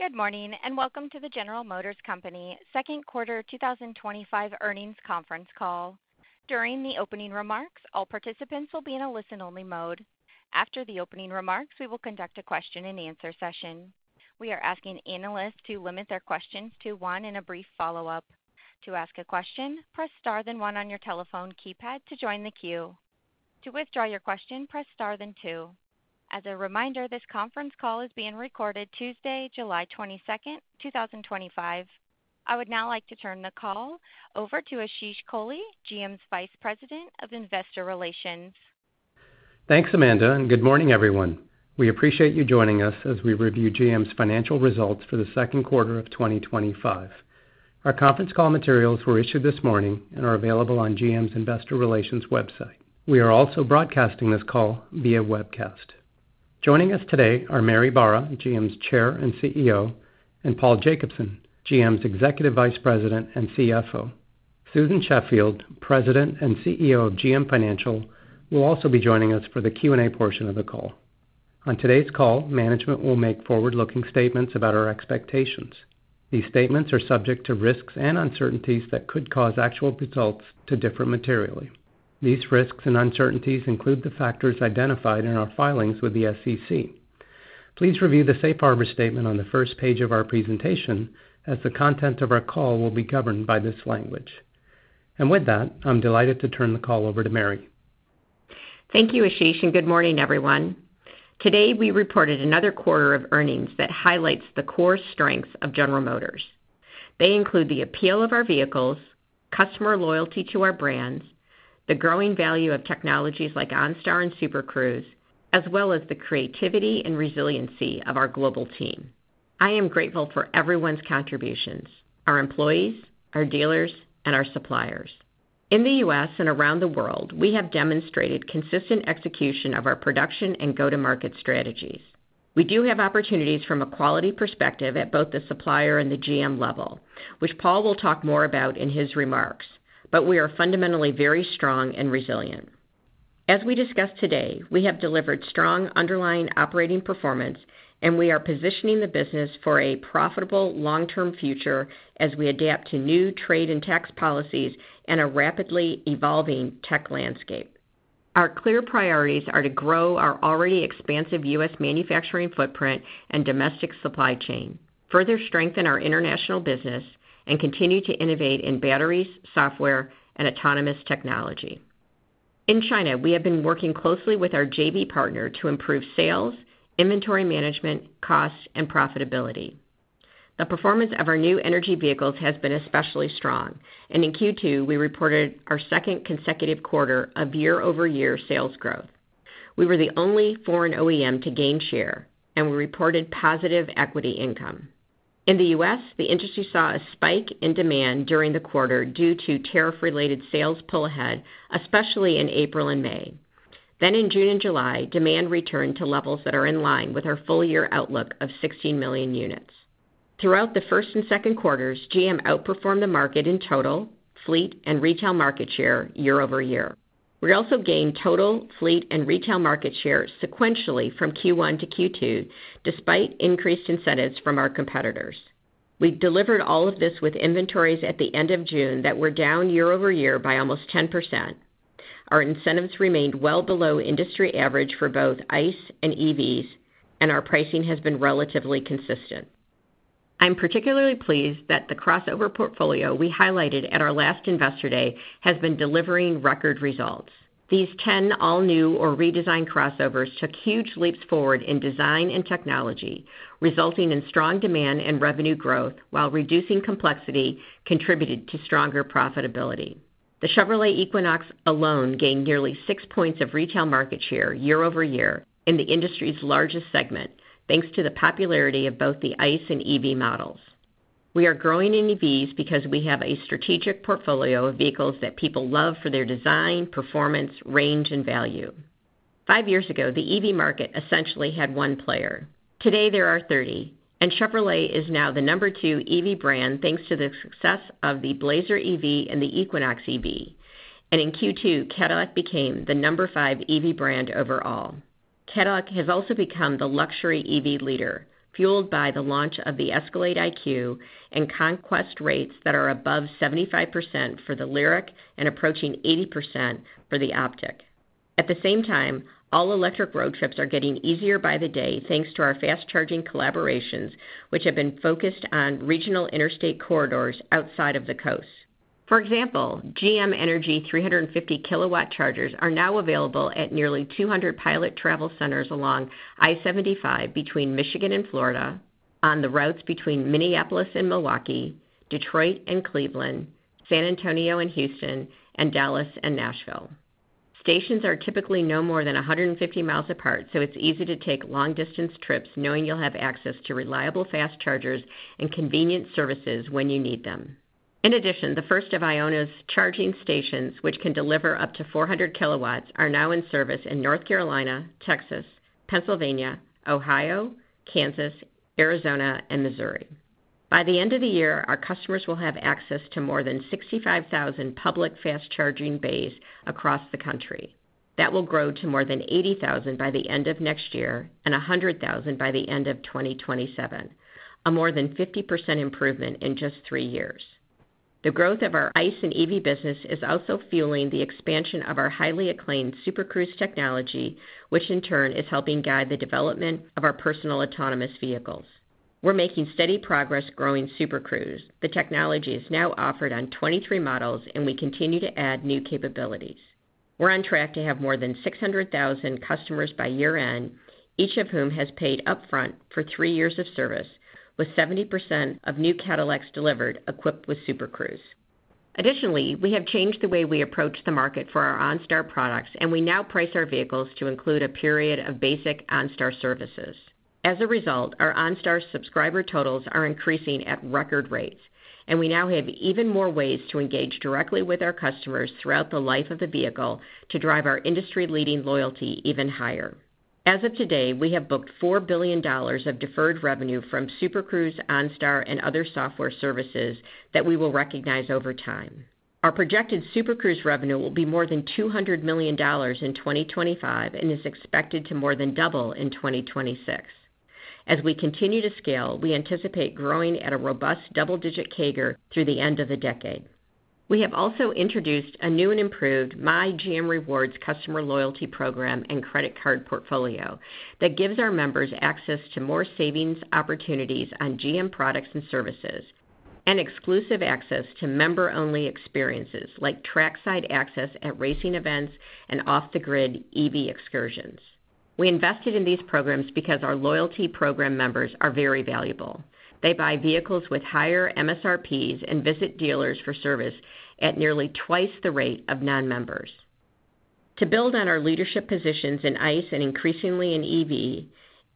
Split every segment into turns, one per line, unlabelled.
Good morning and welcome to the General Motors Company second quarter 2025 earnings conference call. During the opening remarks, all participants will be in a listen-only mode. After the opening remarks, we will conduct a question-and-answer session. We are asking analysts to limit their questions to one and a brief follow-up. To ask a question, press star then one on your telephone keypad to join the queue. To withdraw your question, press star then two. As a reminder, this conference call is being recorded Tuesday, July 22, 2025. I would now like to turn the call over to Ashish Kohli, GM's Vice President of Investor Relations.
Thanks, Amanda, and good morning, everyone. We appreciate you joining us as we review GM's financial results for the second quarter of 2025. Our conference call materials were issued this morning and are available on GM's Investor Relations website. We are also broadcasting this call via webcast. Joining us today are Mary Barra, GM's Chair and CEO, and Paul Jacobson, GM's Executive Vice President and CFO. Susan Sheffield, President and CEO of GM Financial, will also be joining us for the Q&A portion of the call. On today's call, management will make forward-looking statements about our expectations. These statements are subject to risks and uncertainties that could cause actual results to differ materially. These risks and uncertainties include the factors identified in our filings with the SEC. Please review the safe harbor statement on the first page of our presentation, as the content of our call will be governed by this language. With that, I'm delighted to turn the call over to Mary.
Thank you, Ashish, and good morning, everyone. Today, we reported another quarter of earnings that highlights the core strengths of General Motors. They include the appeal of our vehicles, customer loyalty to our brands, the growing value of technologies like OnStar and Super Cruise, as well as the creativity and resiliency of our global team. I am grateful for everyone's contributions: our employees, our dealers, and our suppliers. In the U.S. and around the world, we have demonstrated consistent execution of our production and go-to-market strategies. We do have opportunities from a quality perspective at both the supplier and the GM level, which Paul will talk more about in his remarks, but we are fundamentally very strong and resilient. As we discussed today, we have delivered strong underlying operating performance, and we are positioning the business for a profitable long-term future as we adapt to new trade and tax policies and a rapidly evolving tech landscape. Our clear priorities are to grow our already expansive U.S. manufacturing footprint and domestic supply chain, further strengthen our international business, and continue to innovate in batteries, software, and autonomous technology. In China, we have been working closely with our JV partner to improve sales, inventory management, costs, and profitability. The performance of our new energy vehicles has been especially strong, and in Q2, we reported our second consecutive quarter of year-over-year sales growth. We were the only foreign OEM to gain share, and we reported positive equity income. In the U.S., the industry saw a spike in demand during the quarter due to tariff-related sales pull ahead, especially in April and May. In June and July, demand returned to levels that are in line with our full-year outlook of 16 million units. Throughout the first and second quarters, GM outperformed the market in total, fleet, and retail market share year-over-year. We also gained total, fleet, and retail market share sequentially from Q1 to Q2, despite increased incentives from our competitors. We delivered all of this with inventories at the end of June that were down year-over-year by almost 10%. Our incentives remained well below industry average for both ICE and EVs, and our pricing has been relatively consistent. I'm particularly pleased that the crossover portfolio we highlighted at our last investor day has been delivering record results. These 10 all-new or redesigned crossovers took huge leaps forward in design and technology, resulting in strong demand and revenue growth while reducing complexity contributed to stronger profitability. The Chevrolet Equinox alone gained nearly six points of retail market share year-over-year in the industry's largest segment, thanks to the popularity of both the ICE and EV models. We are growing in EVs because we have a strategic portfolio of vehicles that people love for their design, performance, range, and value. Five years ago, the EV market essentially had one player. Today, there are 30, and Chevrolet is now the number two EV brand thanks to the success of the Blazer EV and the Equinox EV. In Q2, Cadillac became the number five EV brand overall. Cadillac has also become the luxury EV leader, fueled by the launch of the Escalade IQ and conquest rates that are above 75% for the LYRIQ and approaching 80% for the OPTIQ. At the same time, all-electric road trips are getting easier by the day thanks to our fast-charging collaborations, which have been focused on regional interstate corridors outside of the coast. For example, GM Energy 350 kW chargers are now available at nearly 200 Pilot travel centers along I-75 between Michigan and Florida on the routes between Minneapolis and Milwaukee, Detroit and Cleveland, San Antonio and Houston, and Dallas and Nashville. Stations are typically no more than 150 mi apart, so it's easy to take long-distance trips knowing you'll have access to reliable fast chargers and convenient services when you need them. In addition, the first of iONNA's charging stations, which can deliver up to 400 kW, are now in service in North Carolina, Texas, Pennsylvania, Ohio, Kansas, Arizona, and Missouri. By the end of the year, our customers will have access to more than 65,000 public fast-charging bays across the country. That will grow to more than 80,000 by the end of next year and 100,000 by the end of 2027, a more than 50% improvement in just three years. The growth of our ICE and EV business is also fueling the expansion of our highly acclaimed Super Cruise technology, which in turn is helping guide the development of our personal autonomous vehicles. We're making steady progress growing Super Cruise. The technology is now offered on 23 models, and we continue to add new capabilities. We're on track to have more than 600,000 customers by year-end, each of whom has paid upfront for three years of service, with 70% of new Cadillacs delivered equipped with Super Cruise. Additionally, we have changed the way we approach the market for our OnStar products, and we now price our vehicles to include a period of basic OnStar services. As a result, our OnStar subscriber totals are increasing at record rates, and we now have even more ways to engage directly with our customers throughout the life of the vehicle to drive our industry-leading loyalty even higher. As of today, we have booked $4 billion of deferred revenue from Super Cruise, OnStar, and other software services that we will recognize over time. Our projected Super Cruise revenue will be more than $200 million in 2025 and is expected to more than double in 2026. As we continue to scale, we anticipate growing at a robust double-digit CAGR through the end of the decade. We have also introduced a new and improved My GM Rewards customer loyalty program and credit card portfolio that gives our members access to more savings opportunities on GM products and services and exclusive access to member-only experiences like trackside access at racing events and off-the-grid EV excursions. We invested in these programs because our loyalty program members are very valuable. They buy vehicles with higher MSRPs and visit dealers for service at nearly twice the rate of non-members. To build on our leadership positions in ICE and increasingly in EV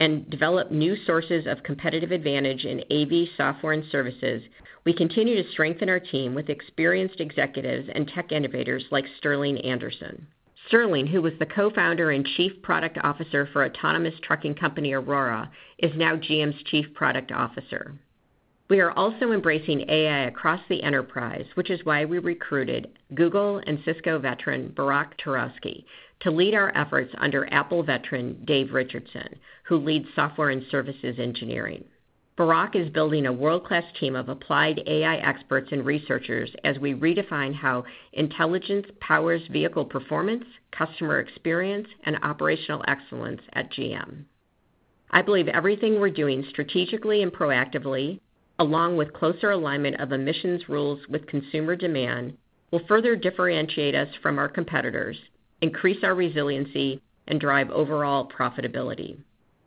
and develop new sources of competitive advantage in AV software and services, we continue to strengthen our team with experienced executives and tech innovators like Sterling Anderson. Sterling, who was the co-founder and Chief Product Officer for autonomous trucking company Aurora, is now GM's Chief Product Officer. We are also embracing AI across the enterprise, which is why we recruited Google and Cisco veteran Barak Turovsky to lead our efforts under Apple veteran Dave Richardson, who leads software and services engineering. Barak is building a world-class team of applied AI experts and researchers as we redefine how intelligence powers vehicle performance, customer experience, and operational excellence at GM. I believe everything we're doing strategically and proactively, along with closer alignment of emissions rules with consumer demand, will further differentiate us from our competitors, increase our resiliency, and drive overall profitability.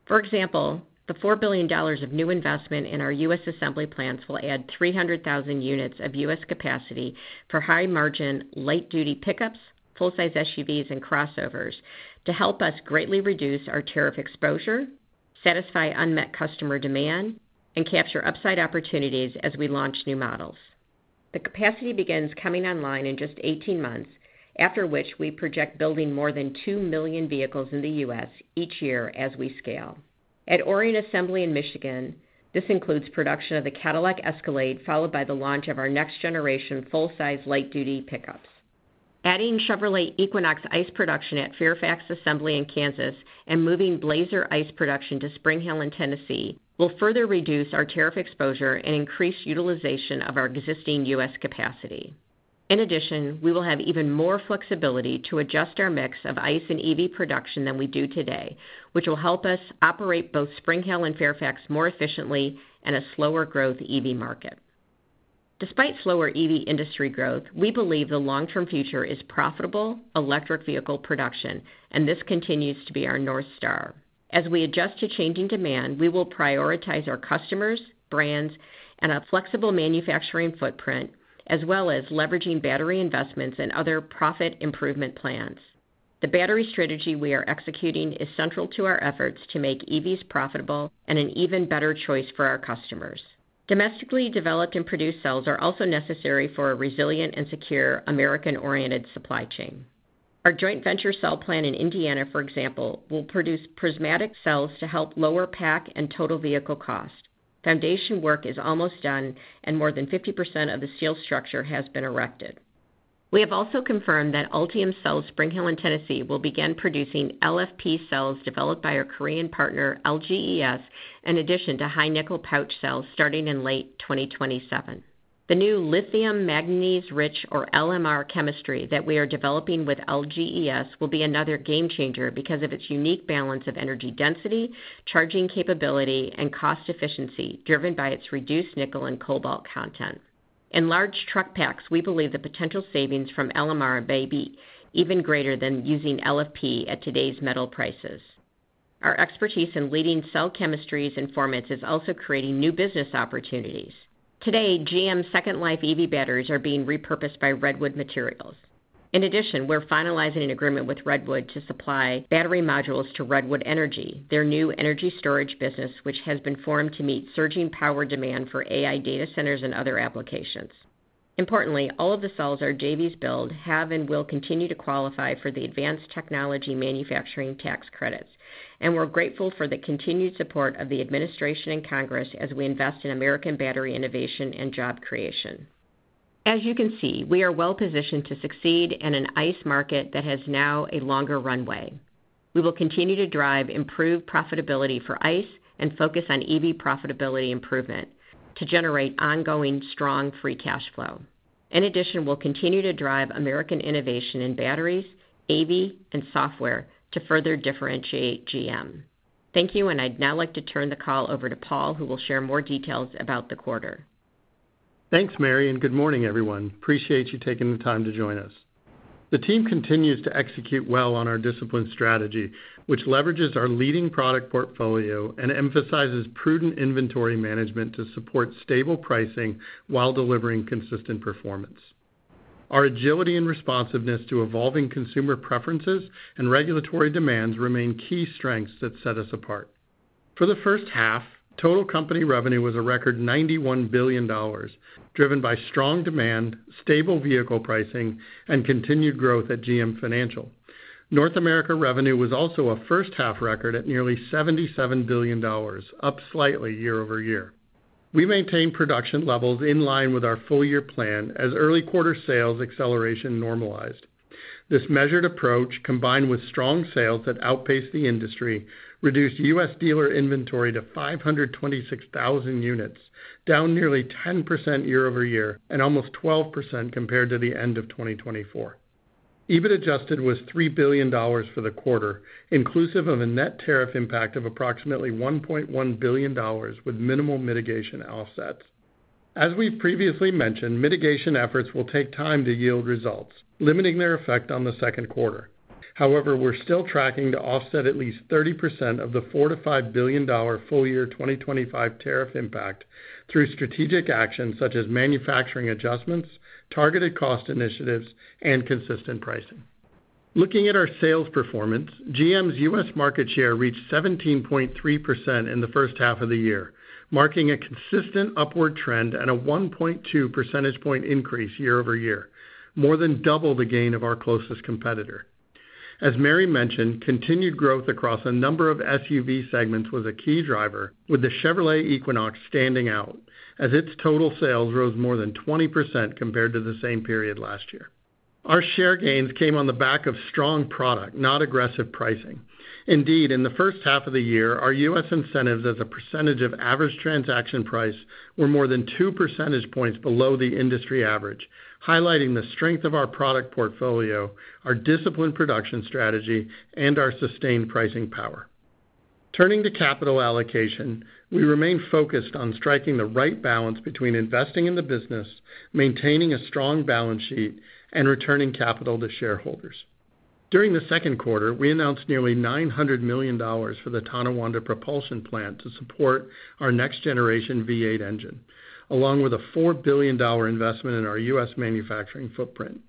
For example, the $4 billion of new investment in our U.S. assembly plants will add 300,000 units of U.S. capacity for high-margin, light-duty pickups, full-size SUVs, and crossovers to help us greatly reduce our tariff exposure, satisfy unmet customer demand, and capture upside opportunities as we launch new models. The capacity begins coming online in just 18 months, after which we project building more than 2 million vehicles in the U.S. each year as we scale. At Orion Assembly in Michigan, this includes production of the Cadillac Escalade, followed by the launch of our next-generation full-size light-duty pickups. Adding Chevrolet Equinox ICE production at Fairfax Assembly in Kansas and moving Blazer ICE production to Spring Hill in Tennessee will further reduce our tariff exposure and increase utilization of our existing U.S. capacity. In addition, we will have even more flexibility to adjust our mix of ICE and EV production than we do today, which will help us operate both Spring Hill and Fairfax more efficiently in a slower-growth EV market. Despite slower EV industry growth, we believe the long-term future is profitable electric vehicle production, and this continues to be our North Star. As we adjust to changing demand, we will prioritize our customers, brands, and a flexible manufacturing footprint, as well as leveraging battery investments and other profit improvement plans. The battery strategy we are executing is central to our efforts to make EVs profitable and an even better choice for our customers. Domestically developed and produced cells are also necessary for a resilient and secure American-oriented supply chain. Our joint venture cell plant in Indiana, for example, will produce prismatic cells to help lower pack and total vehicle cost. Foundation work is almost done, and more than 50% of the steel structure has been erected. We have also confirmed that UItium Cells Spring Hill in Tennessee will begin producing LFP cells developed by our Korean partner LGES, in addition to high-nickel pouch cells starting in late 2027. The new lithium manganese-rich, or LMR, chemistry that we are developing with LGES will be another game changer because of its unique balance of energy density, charging capability, and cost efficiency driven by its reduced nickel and cobalt content. In large truck packs, we believe the potential savings from LMR may be even greater than using LFP at today's metal prices. Our expertise in leading cell chemistries and formants is also creating new business opportunities. Today, GM's second-life EV batteries are being repurposed by Redwood Materials. In addition, we're finalizing an agreement with Redwood to supply battery modules to Redwood Energy, their new energy storage business, which has been formed to meet surging power demand for AI data centers and other applications. Importantly, all of the cells our JVs build have and will continue to qualify for the advanced technology manufacturing tax credits, and we're grateful for the continued support of the administration and Congress as we invest in American battery innovation and job creation. As you can see, we are well positioned to succeed in an ICE market that has now a longer runway. We will continue to drive improved profitability for ICE and focus on EV profitability improvement to generate ongoing strong free cash flow. In addition, we'll continue to drive American innovation in batteries, AV, and software to further differentiate GM. Thank you, and I'd now like to turn the call over to Paul, who will share more details about the quarter.
Thanks, Mary, and good morning, everyone. Appreciate you taking the time to join us. The team continues to execute well on our disciplined strategy, which leverages our leading product portfolio and emphasizes prudent inventory management to support stable pricing while delivering consistent performance. Our agility and responsiveness to evolving consumer preferences and regulatory demands remain key strengths that set us apart. For the first half, total company revenue was a record $91 billion, driven by strong demand, stable vehicle pricing, and continued growth at GM Financial. North America revenue was also a first-half record at nearly $77 billion, up slightly year-over-year. We maintained production levels in line with our full-year plan as early quarter sales acceleration normalized. This measured approach, combined with strong sales that outpaced the industry, reduced U.S. dealer inventory to 526,000 units, down nearly 10% year-over-year and almost 12% compared to the end of 2024. EBIT adjusted was $3 billion for the quarter, inclusive of a net tariff impact of approximately $1.1 billion with minimal mitigation offsets. As we've previously mentioned, mitigation efforts will take time to yield results, limiting their effect on the second quarter. However, we're still tracking to offset at least 30% of the $4-$5 billion full-year 2025 tariff impact through strategic actions such as manufacturing adjustments, targeted cost initiatives, and consistent pricing. Looking at our sales performance, GM's U.S. market share reached 17.3% in the first half of the year, marking a consistent upward trend and a 1.2 percentage point increase year-over-year, more than double the gain of our closest competitor. As Mary mentioned, continued growth across a number of SUV segments was a key driver, with the Chevrolet Equinox standing out as its total sales rose more than 20% compared to the same period last year. Our share gains came on the back of strong product, not aggressive pricing. Indeed, in the first half of the year, our U.S. incentives as a percentage of average transaction price were more than two percentage points below the industry average, highlighting the strength of our product portfolio, our disciplined production strategy, and our sustained pricing power. Turning to capital allocation, we remain focused on striking the right balance between investing in the business, maintaining a strong balance sheet, and returning capital to shareholders. During the second quarter, we announced nearly $900 million for the Tonawanda propulsion plant to support our next-generation V8 engine, along with a $4 billion investment in our U.S. manufacturing footprint.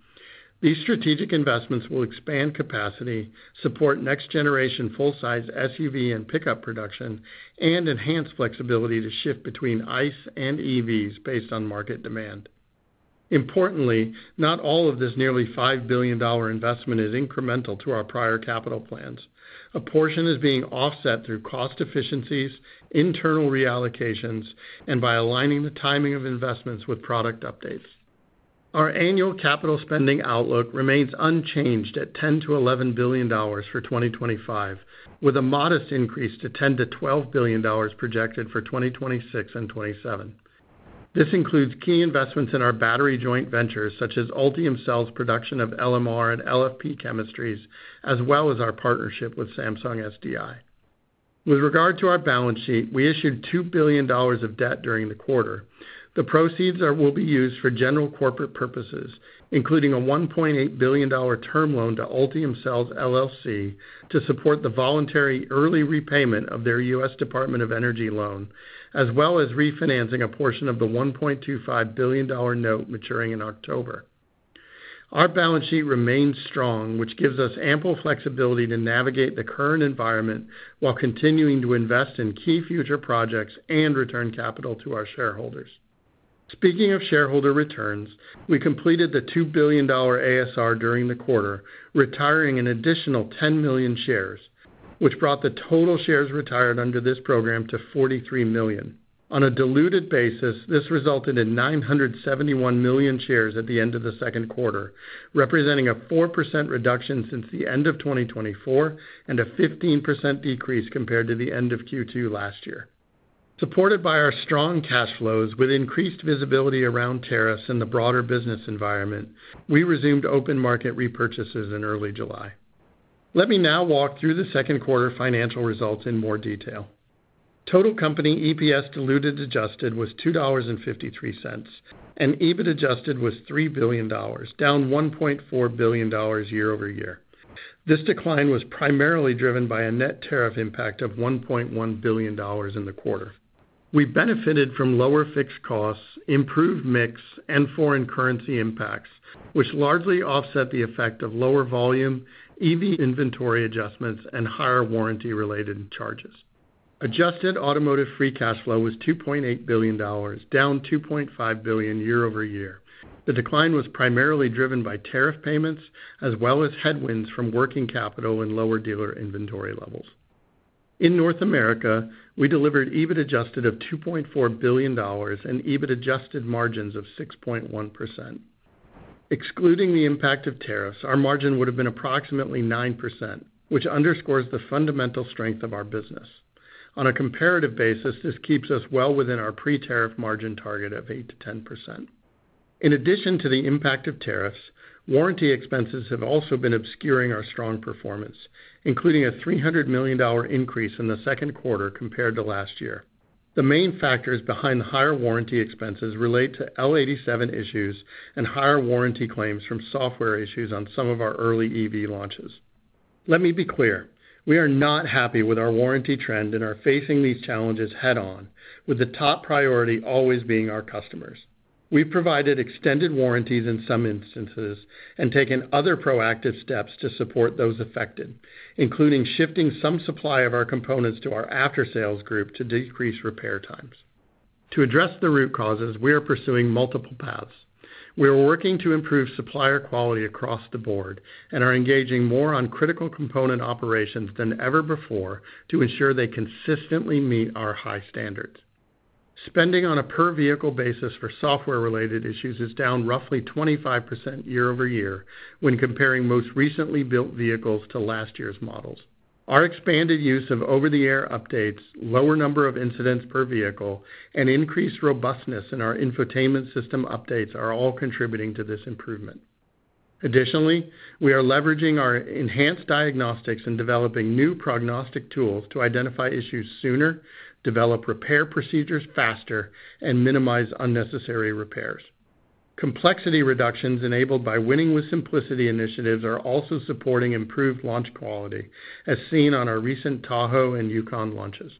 These strategic investments will expand capacity, support next-generation full-size SUV and pickup production, and enhance flexibility to shift between ICE and EVs based on market demand. Importantly, not all of this nearly $5 billion investment is incremental to our prior capital plans. A portion is being offset through cost efficiencies, internal reallocations, and by aligning the timing of investments with product updates. Our annual capital spending outlook remains unchanged at $10 billion-$11 billion for 2025, with a modest increase to $10 billion-$12 billion projected for 2026 and 2027. This includes key investments in our battery joint ventures, such as Ultium Cells' production of LMR and LFP chemistries, as well as our partnership with Samsung SDI. With regard to our balance sheet, we issued $2 billion of debt during the quarter. The proceeds will be used for general corporate purposes, including a $1.8 billion term loan to Ultium Cells LLC to support the voluntary early repayment of their U.S. Department of Energy loan, as well as refinancing a portion of the $1.25 billion note maturing in October. Our balance sheet remains strong, which gives us ample flexibility to navigate the current environment while continuing to invest in key future projects and return capital to our shareholders. Speaking of shareholder returns, we completed the $2 billion ASR during the quarter, retiring an additional 10 million shares, which brought the total shares retired under this program to 43 million. On a diluted basis, this resulted in 971 million shares at the end of the second quarter, representing a 4% reduction since the end of 2024 and a 15% decrease compared to the end of Q2 last year. Supported by our strong cash flows, with increased visibility around tariffs and the broader business environment, we resumed open market repurchases in early July. Let me now walk through the second quarter financial results in more detail. Total company EPS diluted adjusted was $2.53, and EBIT adjusted was $3 billion, down $1.4 billion year-over-year. This decline was primarily driven by a net tariff impact of $1.1 billion in the quarter. We benefited from lower fixed costs, improved mix, and foreign currency impacts, which largely offset the effect of lower volume, EV inventory adjustments, and higher warranty-related charges. Adjusted automotive free cash flow was $2.8 billion, down $2.5 billion year-over-year. The decline was primarily driven by tariff payments, as well as headwinds from working capital and lower dealer inventory levels. In North America, we delivered EBIT adjusted of $2.4 billion and EBIT adjusted margins of 6.1%. Excluding the impact of tariffs, our margin would have been approximately 9%, which underscores the fundamental strength of our business. On a comparative basis, this keeps us well within our pre-tariff margin target of 8%-10%. In addition to the impact of tariffs, warranty expenses have also been obscuring our strong performance, including a $300 million increase in the second quarter compared to last year. The main factors behind higher warranty expenses relate to L87 issues and higher warranty claims from software issues on some of our early EV launches. Let me be clear. We are not happy with our warranty trend and are facing these challenges head-on, with the top priority always being our customers. We've provided extended warranties in some instances and taken other proactive steps to support those affected, including shifting some supply of our components to our after-sales group to decrease repair times. To address the root causes, we are pursuing multiple paths. We are working to improve supplier quality across the board and are engaging more on critical component operations than ever before to ensure they consistently meet our high standards. Spending on a per-vehicle basis for software-related issues is down roughly 25% year-over-year when comparing most recently built vehicles to last year's models. Our expanded use of over-the-air updates, lower number of incidents per vehicle, and increased robustness in our infotainment system updates are all contributing to this improvement. Additionally, we are leveraging our enhanced diagnostics and developing new prognostic tools to identify issues sooner, develop repair procedures faster, and minimize unnecessary repairs. Complexity reductions enabled by Winning with Simplicity initiatives are also supporting improved launch quality, as seen on our recent Tahoe and Yukon launches.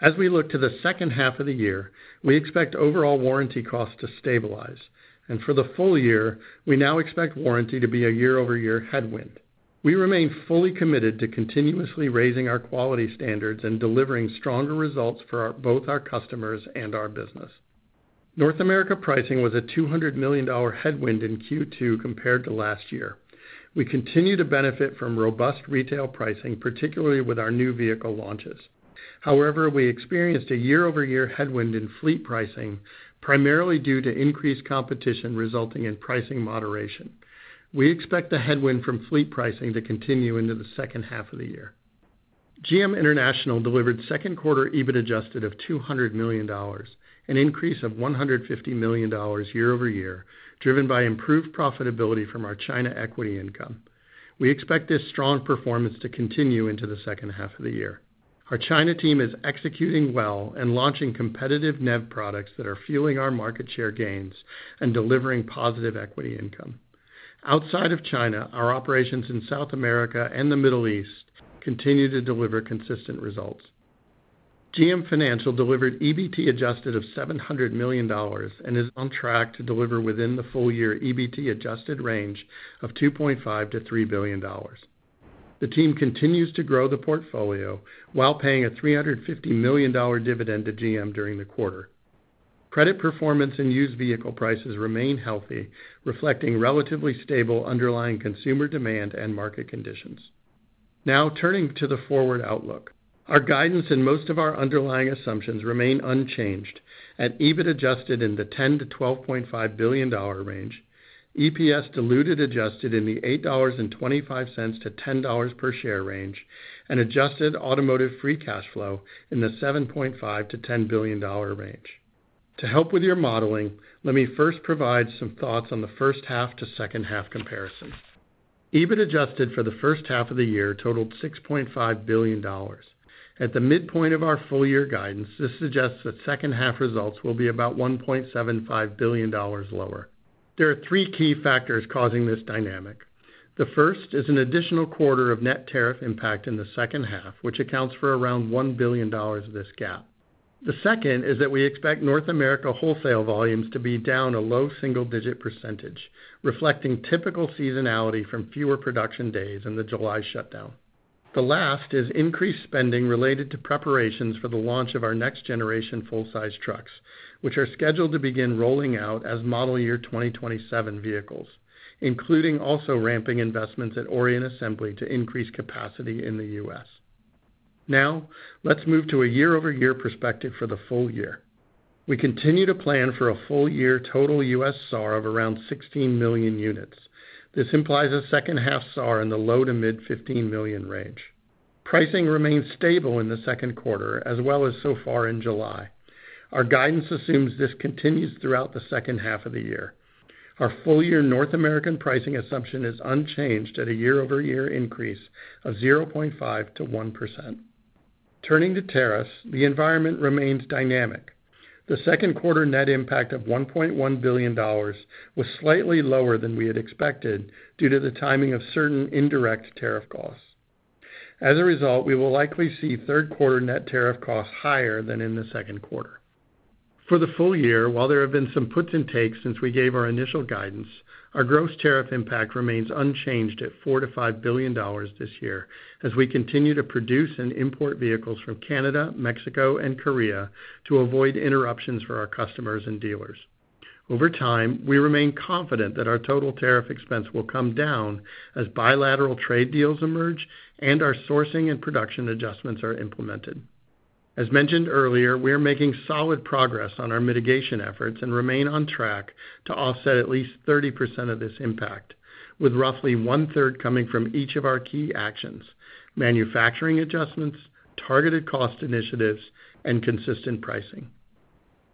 As we look to the second half of the year, we expect overall warranty costs to stabilize. For the full year, we now expect warranty to be a year-over-year headwind. We remain fully committed to continuously raising our quality standards and delivering stronger results for both our customers and our business. North America pricing was a $200 million headwind in Q2 compared to last year. We continue to benefit from robust retail pricing, particularly with our new vehicle launches. However, we experienced a year-over-year headwind in fleet pricing, primarily due to increased competition resulting in pricing moderation. We expect the headwind from fleet pricing to continue into the second half of the year. GM International delivered second quarter EBIT-adjusted of $200 million, an increase of $150 million year-over-year, driven by improved profitability from our China equity income. We expect this strong performance to continue into the second half of the year. Our China team is executing well and launching competitive NEV products that are fueling our market share gains and delivering positive equity income. Outside of China, our operations in South America and the Middle East continue to deliver consistent results. GM Financial delivered EBIT-adjusted of $700 million and is on track to deliver within the full-year EBIT-adjusted range of $2.5 billion-$3 billion. The team continues to grow the portfolio while paying a $350 million dividend to GM during the quarter. Credit performance and used vehicle prices remain healthy, reflecting relatively stable underlying consumer demand and market conditions. Now, turning to the forward outlook, our guidance and most of our underlying assumptions remain unchanged at EBIT-adjusted in the $10 billion-$12.5 billion range, EPS diluted-adjusted in the $8.25-$10 per share range, and adjusted automotive free cash flow in the $7.5 billion-$10 billion range. To help with your modeling, let me first provide some thoughts on the first half to second half comparison. EBIT-adjusted for the first half of the year totaled $6.5 billion. At the midpoint of our full-year guidance, this suggests that second half results will be about $1.75 billion lower. There are three key factors causing this dynamic. The first is an additional quarter of net tariff impact in the second half, which accounts for around $1 billion of this gap. The second is that we expect North America wholesale volumes to be down a low single-digit percentage, reflecting typical seasonality from fewer production days in the July shutdown. The last is increased spending related to preparations for the launch of our next-generation full-size trucks, which are scheduled to begin rolling out as model year 2027 vehicles, including also ramping investments at Orion Assembly to increase capacity in the U.S. Now, let's move to a year-over-year perspective for the full year. We continue to plan for a full-year total U.S. SAR of around 16 million units. This implies a second-half SAR in the low to mid-15 million range. Pricing remains stable in the second quarter, as well as so far in July. Our guidance assumes this continues throughout the second half of the year. Our full-year North American pricing assumption is unchanged at a year-over-year increase of 0.5%-1%. Turning to tariffs, the environment remains dynamic. The second quarter net impact of $1.1 billion was slightly lower than we had expected due to the timing of certain indirect tariff costs. As a result, we will likely see third quarter net tariff costs higher than in the second quarter. For the full year, while there have been some puts and takes since we gave our initial guidance, our gross tariff impact remains unchanged at $4 billion-$5 billion this year as we continue to produce and import vehicles from Canada, Mexico, and Korea to avoid interruptions for our customers and dealers. Over time, we remain confident that our total tariff expense will come down as bilateral trade deals emerge and our sourcing and production adjustments are implemented. As mentioned earlier, we are making solid progress on our mitigation efforts and remain on track to offset at least 30% of this impact, with roughly one-third coming from each of our key actions: manufacturing adjustments, targeted cost initiatives, and consistent pricing.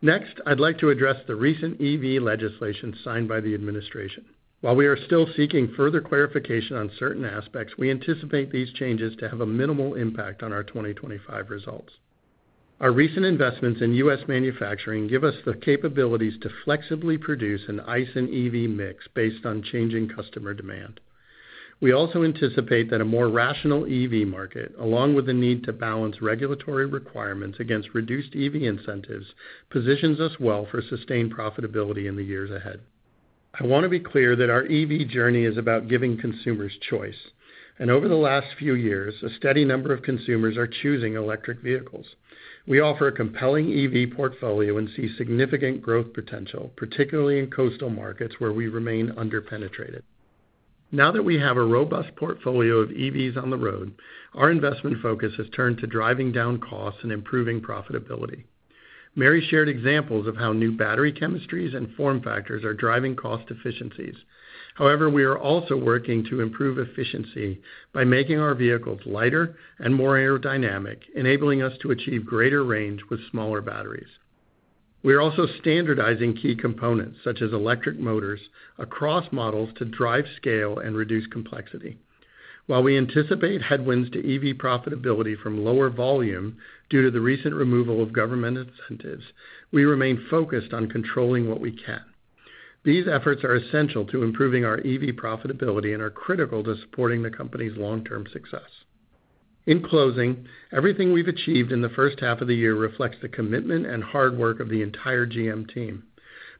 Next, I'd like to address the recent EV legislation signed by the administration. While we are still seeking further clarification on certain aspects, we anticipate these changes to have a minimal impact on our 2025 results. Our recent investments in U.S. manufacturing give us the capabilities to flexibly produce an ICE and EV mix based on changing customer demand. We also anticipate that a more rational EV market, along with the need to balance regulatory requirements against reduced EV incentives, positions us well for sustained profitability in the years ahead. I want to be clear that our EV journey is about giving consumers choice. Over the last few years, a steady number of consumers are choosing electric vehicles. We offer a compelling EV portfolio and see significant growth potential, particularly in coastal markets where we remain under-penetrated. Now that we have a robust portfolio of EVs on the road, our investment focus has turned to driving down costs and improving profitability. Mary shared examples of how new battery chemistries and form factors are driving cost efficiencies. However, we are also working to improve efficiency by making our vehicles lighter and more aerodynamic, enabling us to achieve greater range with smaller batteries. We are also standardizing key components, such as electric motors, across models to drive scale and reduce complexity. While we anticipate headwinds to EV profitability from lower volume due to the recent removal of government incentives, we remain focused on controlling what we can. These efforts are essential to improving our EV profitability and are critical to supporting the company's long-term success. In closing, everything we've achieved in the first half of the year reflects the commitment and hard work of the entire GM team.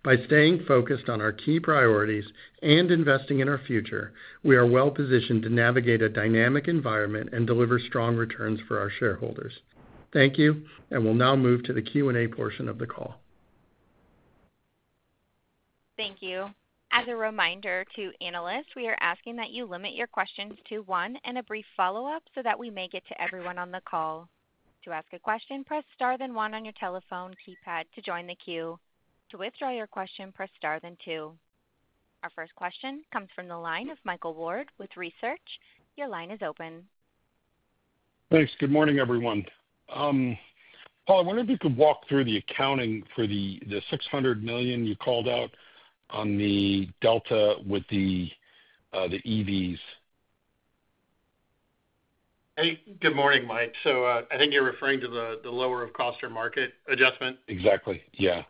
By staying focused on our key priorities and investing in our future, we are well-positioned to navigate a dynamic environment and deliver strong returns for our shareholders. Thank you, and we'll now move to the Q&A portion of the call.
Thank you. As a reminder to analysts, we are asking that you limit your questions to one and a brief follow-up so that we may get to everyone on the call. To ask a question, press star then one on your telephone keypad to join the queue. To withdraw your question, press star then two. Our first question comes from the line of Michael Ward with Research. Your line is open.
Thanks. Good morning, everyone. Paul, I wonder if you could walk through the accounting for the $600 million you called out on the Delta with the EVs.
Hey, good morning, Mike. I think you're referring to the lower of cost or market adjustment. Exactly. Yeah.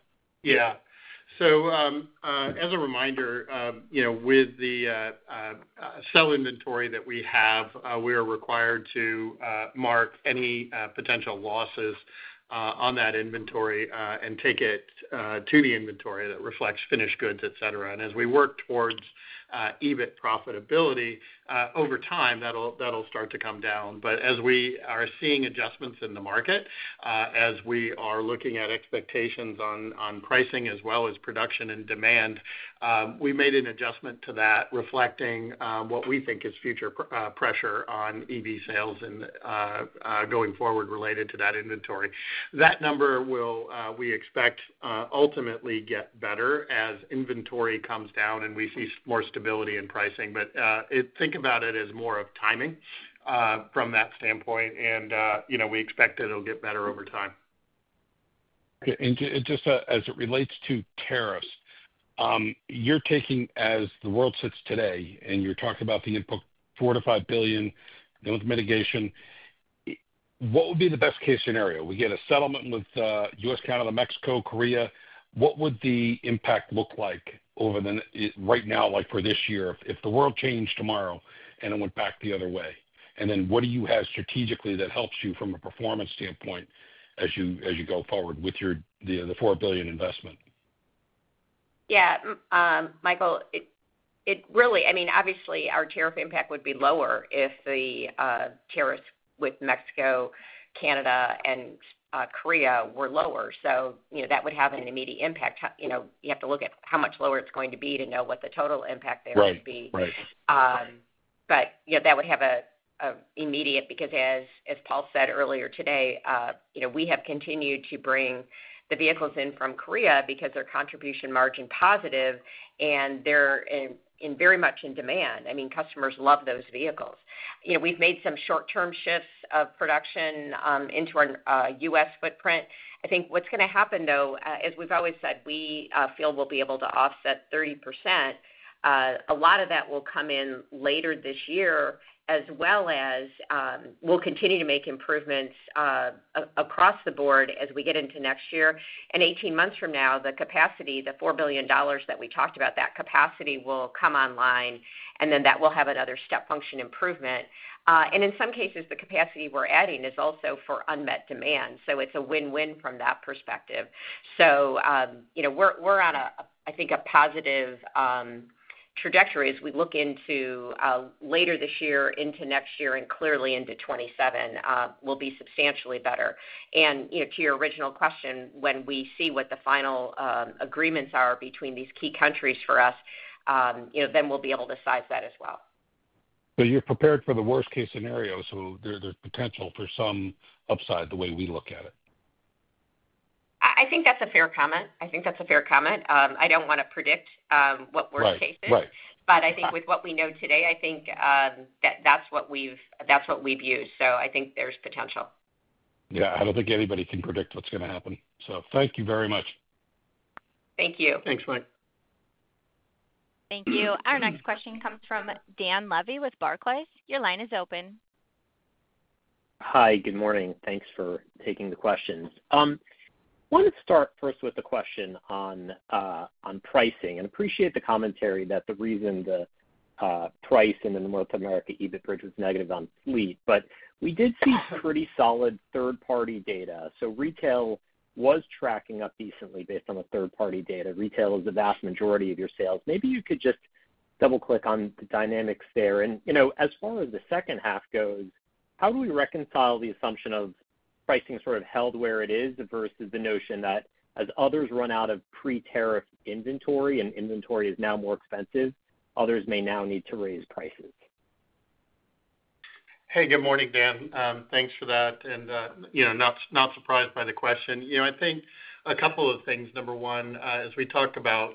Yeah. As a reminder, you know, with the cell inventory that we have, we are required to mark any potential losses on that inventory and take it to the inventory that reflects finished goods, et cetera. As we work towards EBIT profitability over time, that'll start to come down. As we are seeing adjustments in the market, as we are looking at expectations on pricing as well as production and demand, we made an adjustment to that reflecting what we think is future pressure on EV sales and going forward related to that inventory. That number will, we expect, ultimately get better as inventory comes down and we see more stability in pricing. Think about it as more of timing from that standpoint. We expect that it'll get better over time.
Okay. Just as it relates to tariffs, you're taking as the world sits today and you're talking about the input, $4 billion-$5 billion, then with mitigation. What would be the best-case scenario? We get a settlement with U.S., Canada, Mexico, Korea. What would the impact look like over the right now, like for this year, if the world changed tomorrow and it went back the other way? What do you have strategically that helps you from a performance standpoint as you go forward with your $4 billion investment?
Yeah. Michael, it really, I mean, obviously, our tariff impact would be lower if the tariffs with Mexico, Canada, and Korea were lower. That would have an immediate impact. You have to look at how much lower it's going to be to know what the total impact there would be.
Right. Right.
That would have an immediate, because as Paul said earlier today, we have continued to bring the vehicles in from Korea because they're contribution margin positive and they're in very much in demand. I mean, customers love those vehicles. We've made some short-term shifts of production into our U.S. footprint. I think what's going to happen, though, as we've always said, we feel we'll be able to offset 30%. A lot of that will come in later this year as well as we'll continue to make improvements across the board as we get into next year. Eighteen months from now, the capacity, the $4 billion that we talked about, that capacity will come online, and that will have another step function improvement. In some cases, the capacity we're adding is also for unmet demand. It is a win-win from that perspective. You know, we're on a, I think, a positive trajectory as we look into later this year, into next year, and clearly into 2027, will be substantially better. To your original question, when we see what the final agreements are between these key countries for us, then we'll be able to size that as well.
You're prepared for the worst-case scenario. There is potential for some upside the way we look at it.
I think that's a fair comment. I think that's a fair comment. I do not want to predict what worst-case is.
Right. Right.
With what we know today, I think that that's what we've used. I think there's potential.
I do not think anybody can predict what's going to happen. Thank you very much.
Thank you.
Thanks, Mike.
Thank you. Our next question comes from Dan Levy with Barclays. Your line is open.
Hi. Good morning. Thanks for taking the questions. I want to start first with the question on pricing. Appreciate the commentary that the reason the price and then the North America EBIT bridge was negative on fleet, but we did see pretty solid third-party data. Retail was tracking up decently based on the third-party data. Retail is the vast majority of your sales. Maybe you could just double-click on the dynamics there. As far as the second half goes, how do we reconcile the assumption of pricing sort of held where it is versus the notion that as others run out of pre-tariff inventory and inventory is now more expensive, others may now need to raise prices?
Hey, good morning, Dan. Thanks for that. Not surprised by the question. I think a couple of things. Number one, as we talked about,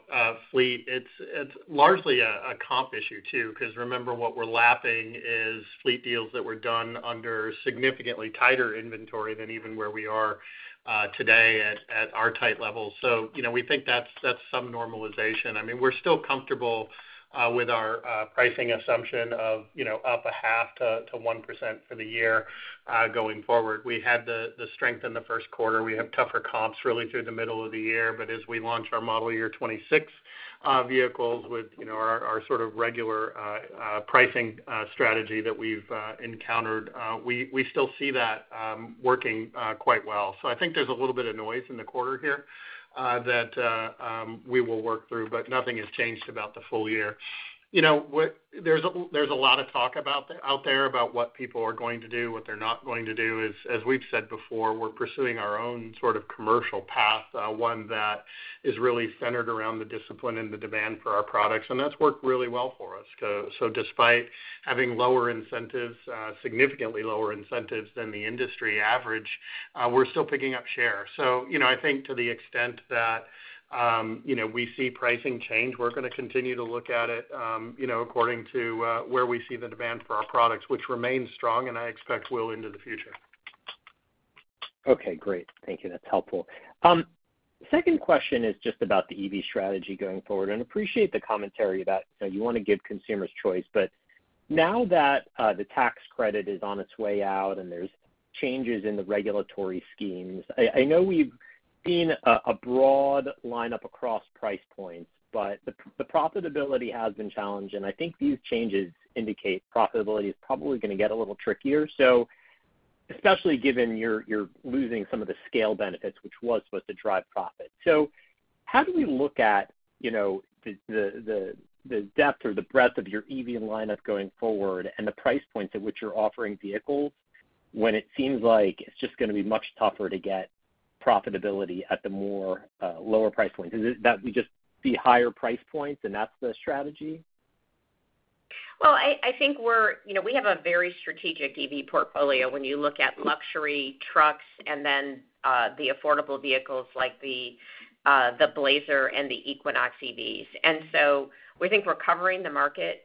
fleet, it is largely a comp issue too because remember what we're lapping is fleet deals that were done under significantly tighter inventory than even where we are today at our tight levels. We think that's some normalization. I mean, we're still comfortable with our pricing assumption of up a half to 1% for the year, going forward. We had the strength in the first quarter. We have tougher comps really through the middle of the year. As we launch our model year 2026 vehicles with our sort of regular pricing strategy that we've encountered, we still see that working quite well. I think there's a little bit of noise in the quarter here that we will work through, but nothing has changed about the full year. You know, there's a lot of talk out there about what people are going to do, what they're not going to do. As we've said before, we're pursuing our own sort of commercial path, one that is really centered around the discipline and the demand for our products. And that's worked really well for us. Despite having lower incentives, significantly lower incentives than the industry average, we're still picking up share. You know, I think to the extent that we see pricing change, we're going to continue to look at it according to where we see the demand for our products, which remains strong and I expect will into the future.
Okay. Great. Thank you. That's helpful. Second question is just about the EV strategy going forward. And appreciate the commentary that, you know, you want to give consumers choice. But now that the tax credit is on its way out and there's changes in the regulatory schemes, I know we've seen a broad lineup across price points, but the profitability has been challenged. And I think these changes indicate profitability is probably going to get a little trickier, especially given you're losing some of the scale benefits, which was supposed to drive profit. How do we look at the depth or the breadth of your EV lineup going forward and the price points at which you're offering vehicles when it seems like it's just going to be much tougher to get profitability at the more lower price points? Is it that we just see higher price points and that's the strategy?
I think we have a very strategic EV portfolio when you look at luxury trucks and then the affordable vehicles like the Blazer and the Equinox EVs. We think we're covering the market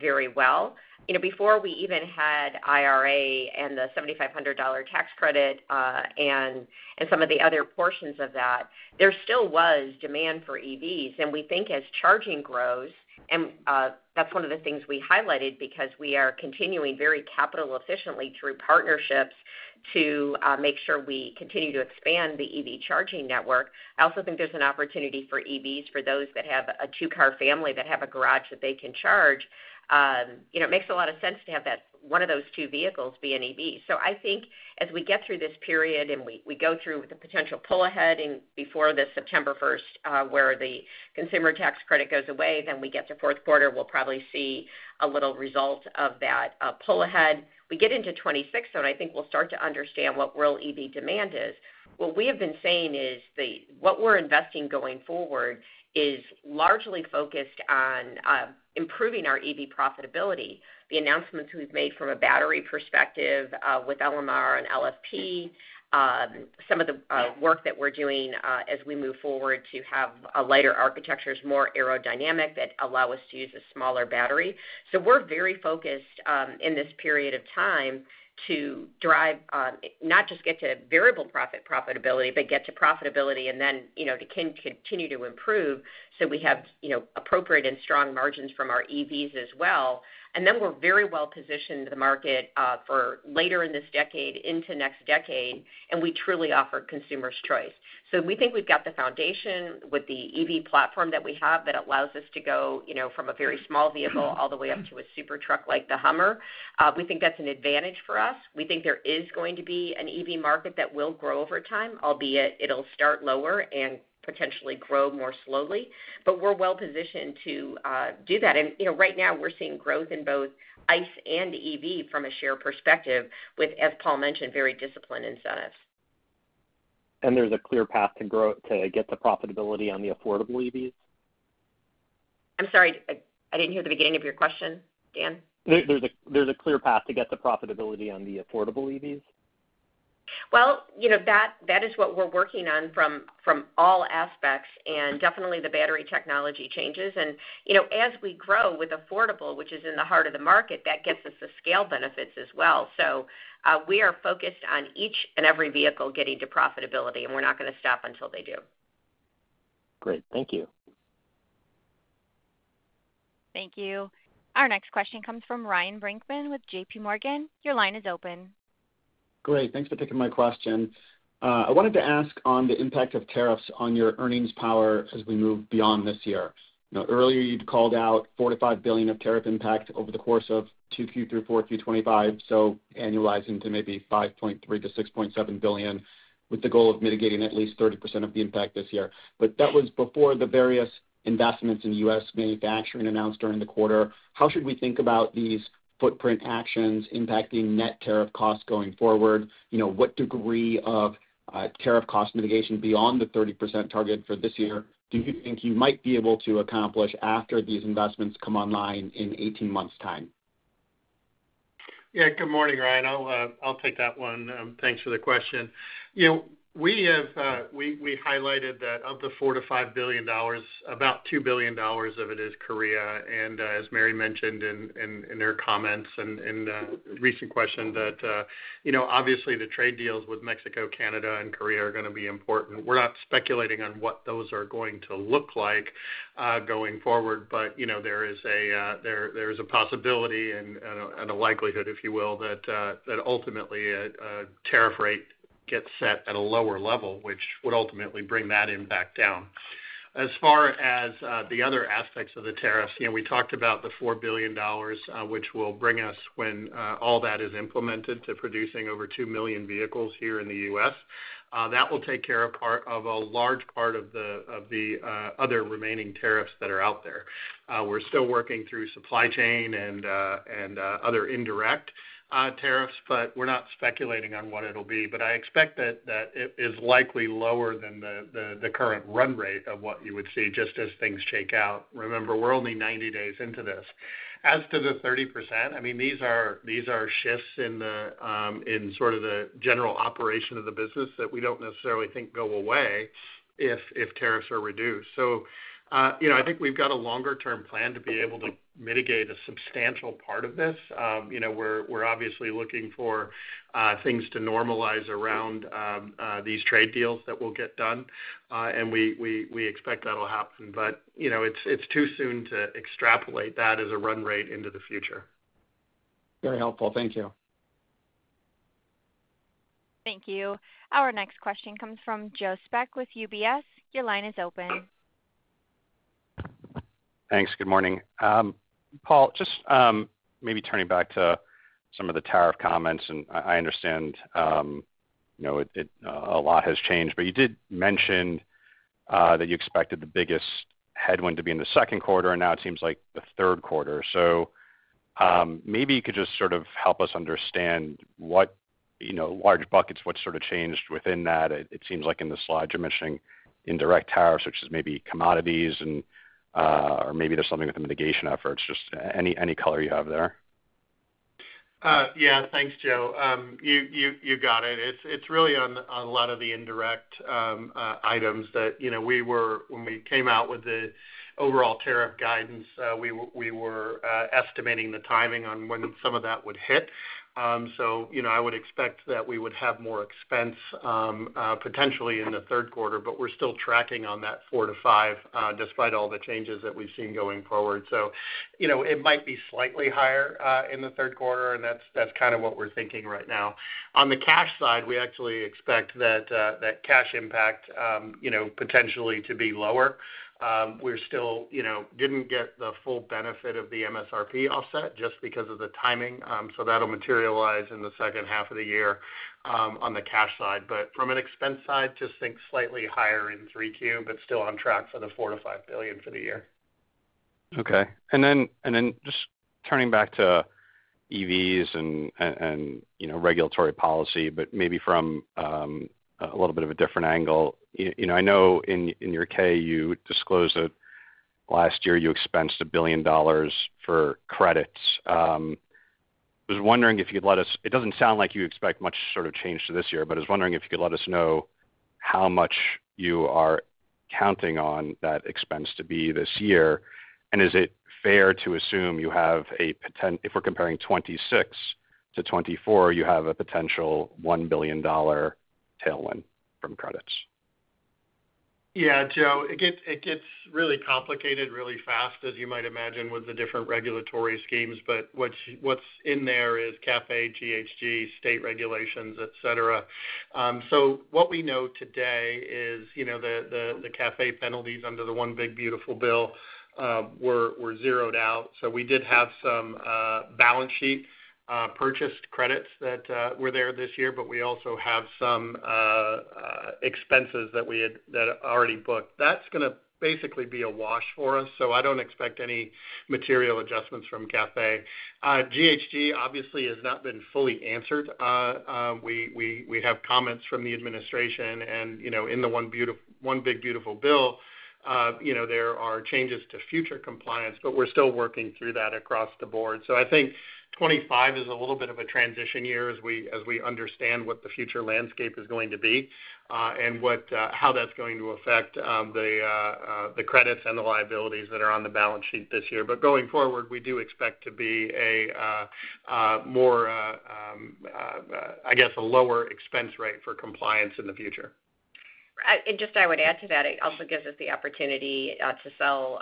very well. You know, before we even had IRA and the $7,500 tax credit and some of the other portions of that, there still was demand for EVs. We think as charging grows, and that's one of the things we highlighted because we are continuing very capital efficiently through partnerships to make sure we continue to expand the EV charging network. I also think there's an opportunity for EVs for those that have a two-car family that have a garage that they can charge. You know, it makes a lot of sense to have one of those two vehicles be an EV. I think as we get through this period and we go through with the potential pull ahead and before the September 1, where the consumer tax credit goes away, then we get to fourth quarter, we'll probably see a little result of that pull ahead. We get into 2026, I think we'll start to understand what real EV demand is. What we have been saying is what we're investing going forward is largely focused on improving our EV profitability. The announcements we've made from a battery perspective, with LMR and LFP, some of the work that we're doing as we move forward to have a lighter architecture that is more aerodynamic that allows us to use a smaller battery. We're very focused in this period of time to drive, not just get to variable profit profitability, but get to profitability and then, you know, to continue to improve so we have, you know, appropriate and strong margins from our EVs as well. We're very well positioned to the market for later in this decade into next decade, and we truly offer consumers choice. We think we've got the foundation with the EV platform that we have that allows us to go, you know, from a very small vehicle all the way up to a super truck like the Hummer. We think that's an advantage for us. We think there is going to be an EV market that will grow over time, albeit it'll start lower and potentially grow more slowly. We're well positioned to do that. You know, right now we're seeing growth in both ICE and EV from a share perspective with, as Paul mentioned, very disciplined incentives.
There's a clear path to grow to get the profitability on the affordable EVs?
I'm sorry. I didn't hear the beginning of your question, Dan.
There's a clear path to get the profitability on the affordable EVs?
That is what we're working on from all aspects and definitely the battery technology changes. You know, as we grow with affordable, which is in the heart of the market, that gets us the scale benefits as well. We are focused on each and every vehicle getting to profitability, and we're not going to stop until they do.
Great. Thank you.
Thank you. Our next question comes from Ryan Brinkman with J.P. Morgan. Your line is open.
Great. Thanks for taking my question. I wanted to ask on the impact of tariffs on your earnings power as we move beyond this year. You know, earlier you'd called out $4 billion-$5 billion of tariff impact over the course of Q2 through Q4 2025. Annualizing to maybe $5.3 billion-$6.7 billion with the goal of mitigating at least 30% of the impact this year. That was before the various investments in U.S. manufacturing announced during the quarter. How should we think about these footprint actions impacting net tariff costs going forward? You know, what degree of tariff cost mitigation beyond the 30% target for this year do you think you might be able to accomplish after these investments come online in 18 months' time?
Yeah. Good morning, Ryan. I'll take that one. Thanks for the question. You know, we highlighted that of the $4 billion-$5 billion, about $2 billion of it is Korea. And, as Mary mentioned in their comments and in a recent question, you know, obviously the trade deals with Mexico, Canada, and Korea are going to be important. We're not speculating on what those are going to look like going forward. But, you know, there is a possibility and a likelihood, if you will, that ultimately a tariff rate gets set at a lower level, which would ultimately bring that impact down. As far as the other aspects of the tariffs, you know, we talked about the $4 billion, which will bring us, when all that is implemented, to producing over 2 million vehicles here in the U.S. That will take care of part of a large part of the other remaining tariffs that are out there. We're still working through supply chain and other indirect tariffs, but we're not speculating on what it'll be. I expect that it is likely lower than the current run rate of what you would see just as things shake out. Remember, we're only 90 days into this. As to the 30%, I mean, these are shifts in the general operation of the business that we don't necessarily think go away if tariffs are reduced. So, you know, I think we've got a longer-term plan to be able to mitigate a substantial part of this. You know, we're obviously looking for things to normalize around these trade deals that will get done. We expect that'll happen. But, you know, it's too soon to extrapolate that as a run rate into the future.
Very helpful. Thank you.
Thank you. Our next question comes from Joe Spak with UBS. Your line is open.
Thanks. Good morning. Paul, just maybe turning back to some of the tariff comments. I understand, you know, a lot has changed. But you did mention that you expected the biggest headwind to be in the second quarter. And now it seems like the third quarter. Maybe you could just sort of help us understand what, you know, large buckets, what sort of changed within that. It seems like in the slides you're mentioning indirect tariffs, which is maybe commodities and, or maybe there's something with the mitigation efforts. Just any color you have there?
Yeah. Thanks, Joe. You got it. It's really on a lot of the indirect items that, you know, we were when we came out with the overall tariff guidance, we were estimating the timing on when some of that would hit. You know, I would expect that we would have more expense, potentially in the third quarter. We're still tracking on that four to five, despite all the changes that we've seen going forward. You know, it might be slightly higher in the third quarter. That's kind of what we're thinking right now. On the cash side, we actually expect that cash impact, you know, potentially to be lower. We're still, you know, didn't get the full benefit of the MSRP offset just because of the timing. That'll materialize in the second half of the year, on the cash side. From an expense side, just think slightly higher in 3Q, but still on track for the $4-$5 billion for the year.
Okay. And then just turning back to EVs and, you know, regulatory policy, but maybe from a little bit of a different angle. You know, I know in your K, you disclosed that last year you expensed $1 billion for credits. I was wondering if you'd let us—it doesn't sound like you expect much sort of change to this year, but I was wondering if you could let us know how much you are counting on that expense to be this year. Is it fair to assume you have a potent—if we're comparing 2026 to 2024, you have a potential $1 billion tailwind from credits?
Yeah, Joe. It gets really complicated really fast, as you might imagine, with the different regulatory schemes. What's in there is CAFE, GHG, state regulations, etc. What we know today is, you know, the CAFE penalties under the One Big Beautiful Bill were zeroed out. We did have some balance sheet purchased credits that were there this year. We also have some expenses that we had that already booked. That's going to basically be a wash for us. I don't expect any material adjustments from CAFE. GHG obviously has not been fully answered. We have comments from the administration. In the One Big Beautiful Bill, you know, there are changes to future compliance. We're still working through that across the board. I think 2025 is a little bit of a transition year as we understand what the future landscape is going to be, and how that's going to affect the credits and the liabilities that are on the balance sheet this year. Going forward, we do expect to be a more, I guess, a lower expense rate for compliance in the future.
I would add to that, it also gives us the opportunity to sell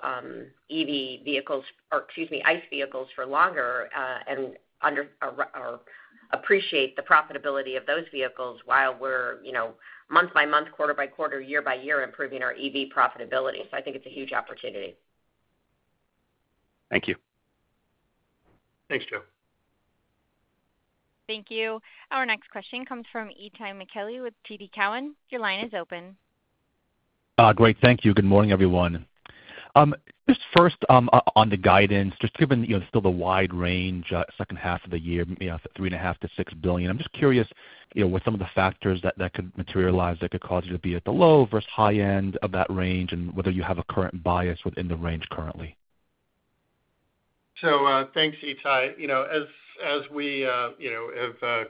EV vehicles or, excuse me, ICE vehicles for longer, and appreciate the profitability of those vehicles while we're, you know, month by month, quarter by quarter, year by year improving our EV profitability. I think it's a huge opportunity.
Thank you.
Thanks, Joe.
Thank you. Our next question comes from Itay Michaeli with TD Cowen. Your line is open.
Great. Thank you. Good morning, everyone. Just first, on the guidance, just given, you know, still the wide range, second half of the year, you know, $3.5 billion-$6 billion, I'm just curious, you know, what some of the factors that could materialize that could cause you to be at the low versus high end of that range and whether you have a current bias within the range currently.
Thanks, Itay. You know, as we have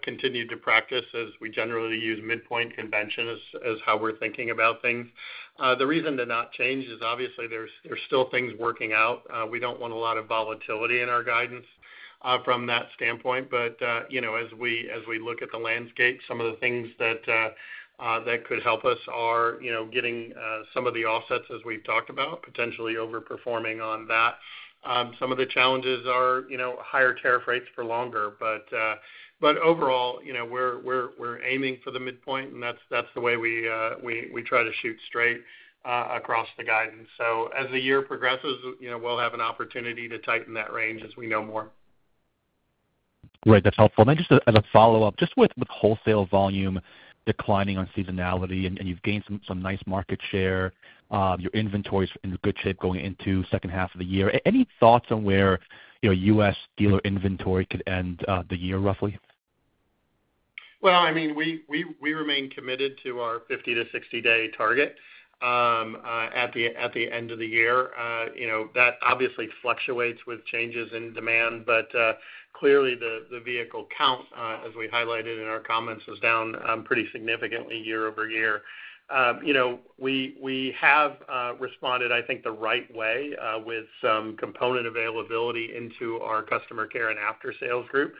continued to practice, we generally use midpoint convention as how we're thinking about things. The reason to not change is obviously there's still things working out. We do not want a lot of volatility in our guidance from that standpoint. As we look at the landscape, some of the things that could help us are getting some of the offsets as we've talked about, potentially overperforming on that. Some of the challenges are higher tariff rates for longer. Overall, we're aiming for the midpoint. That's the way we try to shoot straight across the guidance. As the year progresses, we'll have an opportunity to tighten that range as we know more.
Great. That's helpful. And then just as a follow-up, just with wholesale volume declining on seasonality and you've gained some nice market share, your inventory's in good shape going into second half of the year. Any thoughts on where U.S. dealer inventory could end the year roughly?
I mean, we remain committed to our 50-60 day target at the end of the year. You know, that obviously fluctuates with changes in demand. Clearly, the vehicle count, as we highlighted in our comments, is down pretty significantly year-over-year. We have responded, I think, the right way, with some component availability into our customer care and after-sales group,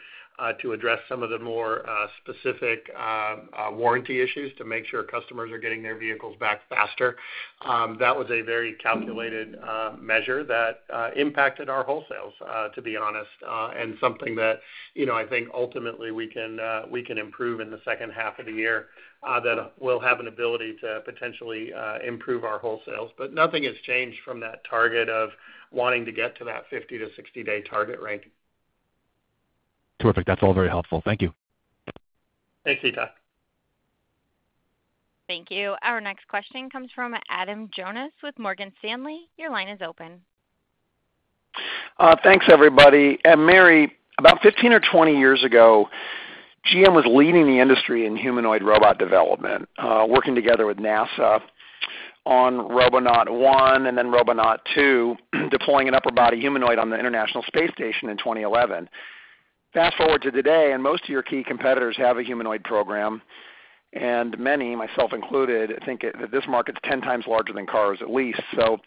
to address some of the more specific warranty issues to make sure customers are getting their vehicles back faster. That was a very calculated measure that impacted our wholesales, to be honest, and something that I think ultimately we can improve in the second half of the year, that we'll have an ability to potentially improve our wholesales. Nothing has changed from that target of wanting to get to that 50-60 day target range.
Terrific. That's all very helpful. Thank you.
Thanks, Itay.
Thank you. Our next question comes from Adam Jonas with Morgan Stanley. Your line is open.
Thanks, everybody. And Mary, about 15 or 20 years ago, GM was leading the industry in humanoid robot development, working together with NASA on Robonaut 1 and then Robonaut 2, deploying an upper body humanoid on the International Space Station in 2011. Fast forward to today, and most of your key competitors have a humanoid program. And many, myself included, think that this market's 10 times larger than cars at least. So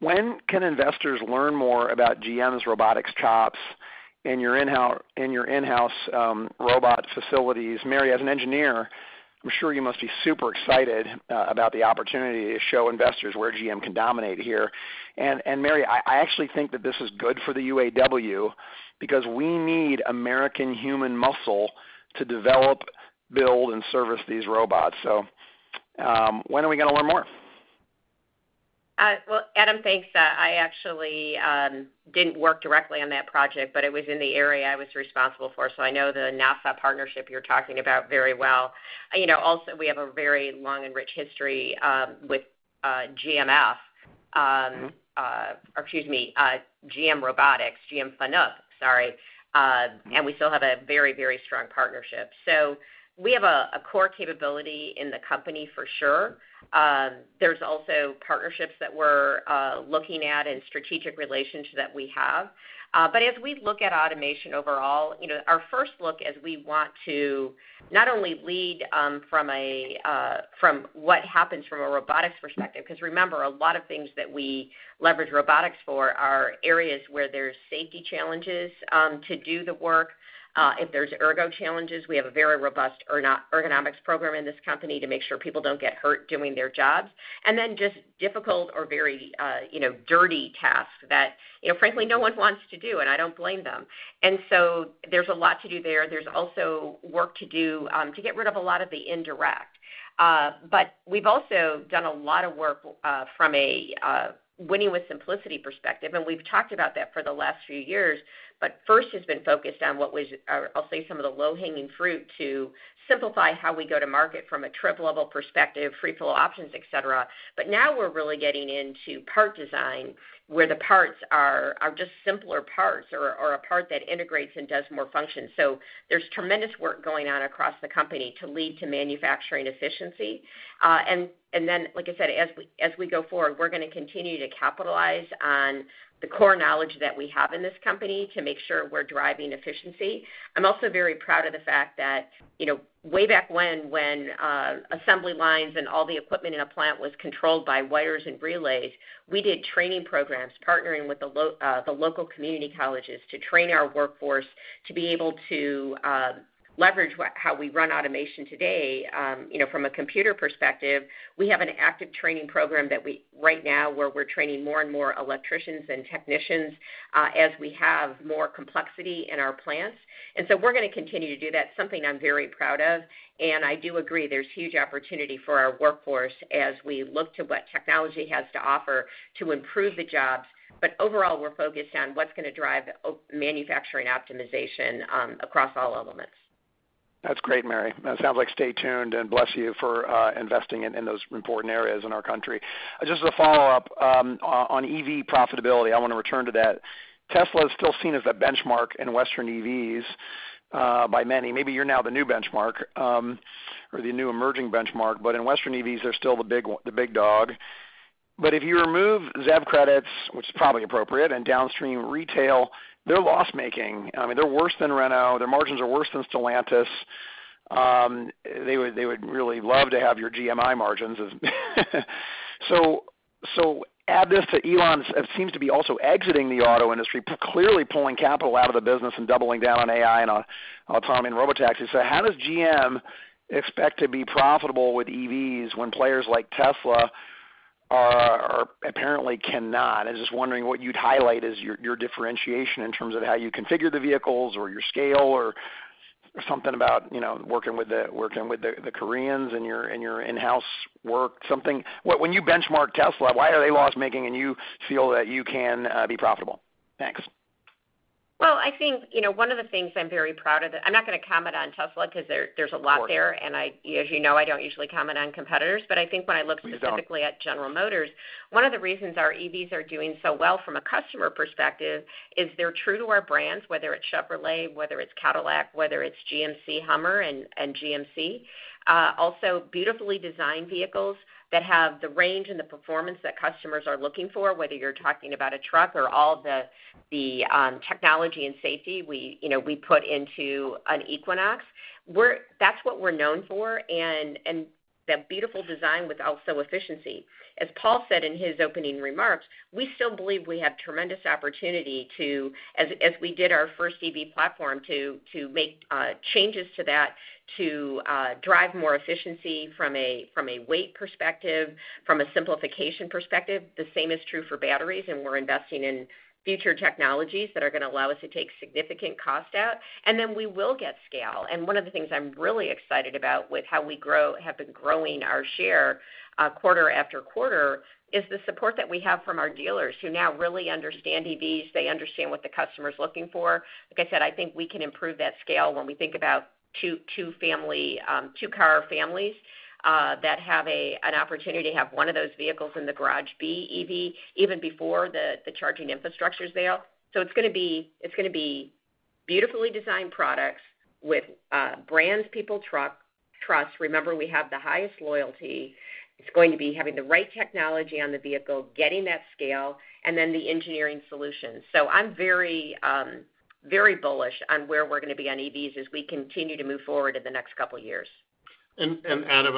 when can investors learn more about GM's robotics chops in your in-house, in your in-house robot facilities? Mary, as an engineer, I'm sure you must be super excited about the opportunity to show investors where GM can dominate here. And Mary, I actually think that this is good for the UAW because we need American human muscle to develop, build, and service these robots. So, when are we going to learn more?
Adam, thanks. I actually didn't work directly on that project, but it was in the area I was responsible for. So I know the NASA partnership you're talking about very well. You know, also, we have a very long and rich history with GM Robotics, GM Fun Up, sorry, and we still have a very, very strong partnership. So we have a core capability in the company for sure. There's also partnerships that we're looking at and strategic relations that we have. As we look at automation overall, our first look is we want to not only lead from what happens from a robotics perspective because remember, a lot of things that we leverage robotics for are areas where there's safety challenges to do the work. If there's ergo challenges, we have a very robust ergonomics program in this company to make sure people don't get hurt doing their jobs. And then just difficult or very dirty tasks that, you know, frankly, no one wants to do. And I don't blame them. There's a lot to do there. There's also work to do to get rid of a lot of the indirect. We've also done a lot of work from a Winning with Simplicity perspective. We've talked about that for the last few years. First has been focused on what was, or I'll say, some of the low-hanging fruit to simplify how we go to market from a trip-level perspective, free flow options, etc. Now we're really getting into part design where the parts are just simpler parts or a part that integrates and does more functions. There's tremendous work going on across the company to lead to manufacturing efficiency. And then, like I said, as we go forward, we're going to continue to capitalize on the core knowledge that we have in this company to make sure we're driving efficiency. I'm also very proud of the fact that, you know, way back when assembly lines and all the equipment in a plant was controlled by wires and relays, we did training programs partnering with the local community colleges to train our workforce to be able to leverage how we run automation today, you know, from a computer perspective. We have an active training program right now where we're training more and more electricians and technicians, as we have more complexity in our plants. We're going to continue to do that, something I'm very proud of. I do agree there's huge opportunity for our workforce as we look to what technology has to offer to improve the jobs. Overall, we're focused on what's going to drive manufacturing optimization across all elements.
That's great, Mary. That sounds like stay tuned and bless you for investing in those important areas in our country. Just as a follow-up, on EV profitability, I want to return to that. Tesla is still seen as the benchmark in Western EVs, by many. Maybe you're now the new benchmark, or the new emerging benchmark. In Western EVs, they're still the big dog. If you remove ZEV credits, which is probably appropriate, and downstream retail, they're loss-making. I mean, they're worse than Renault. Their margins are worse than Stellantis. They would really love to have your GMI margins. Add this to Elon's seems to be also exiting the auto industry, clearly pulling capital out of the business and doubling down on AI and autonomy and robotaxi. How does GM expect to be profitable with EVs when players like Tesla apparently cannot? I was just wondering what you'd highlight as your differentiation in terms of how you configure the vehicles or your scale or something about, you know, working with the Koreans and your in-house work, something when you benchmark Tesla, why are they loss-making and you feel that you can be profitable? Thanks.
I think, you know, one of the things I'm very proud of that I'm not going to comment on Tesla because there is a lot there. As you know, I don't usually comment on competitors. I think when I look specifically at General Motors, one of the reasons our EVs are doing so well from a customer perspective is they're true to our brands, whether it's Chevrolet, whether it's Cadillac, whether it's GMC Hummer and GMC, also beautifully designed vehicles that have the range and the performance that customers are looking for, whether you're talking about a truck or all the technology and safety we, you know, we put into an Equinox. That's what we're known for, and the beautiful design with also efficiency. As Paul said in his opening remarks, we still believe we have tremendous opportunity to, as we did our first EV platform, to make changes to that to drive more efficiency from a weight perspective, from a simplification perspective. The same is true for batteries, and we're investing in future technologies that are going to allow us to take significant cost out. Then we will get scale. One of the things I'm really excited about with how we have been growing our share, quarter after quarter, is the support that we have from our dealers who now really understand EVs. They understand what the customer's looking for. Like I said, I think we can improve that scale when we think about two-car families that have an opportunity to have one of those vehicles in the garage be EV even before the charging infrastructure's there. It's going to be beautifully designed products with brands people trust. Remember, we have the highest loyalty. It's going to be having the right technology on the vehicle, getting that scale, and then the engineering solutions. I'm very, very bullish on where we're going to be on EVs as we continue to move forward in the next couple of years.
Adam,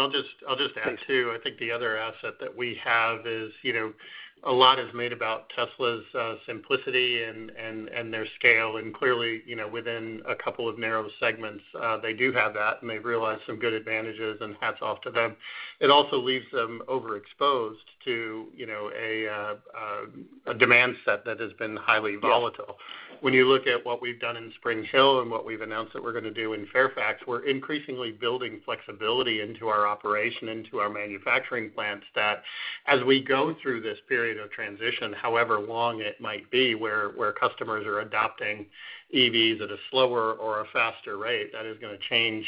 I'll just add too, I think the other asset that we have is, you know, a lot is made about Tesla's simplicity and their scale. Clearly, within a couple of narrow segments, they do have that, and they've realized some good advantages. Hats off to them. It also leaves them overexposed to a demand set that has been highly volatile. When you look at what we've done in Spring Hill and what we've announced that we're going to do in Fairfax, we're increasingly building flexibility into our operation, into our manufacturing plants that as we go through this period of transition, however long it might be, where customers are adopting EVs at a slower or a faster rate, that is going to change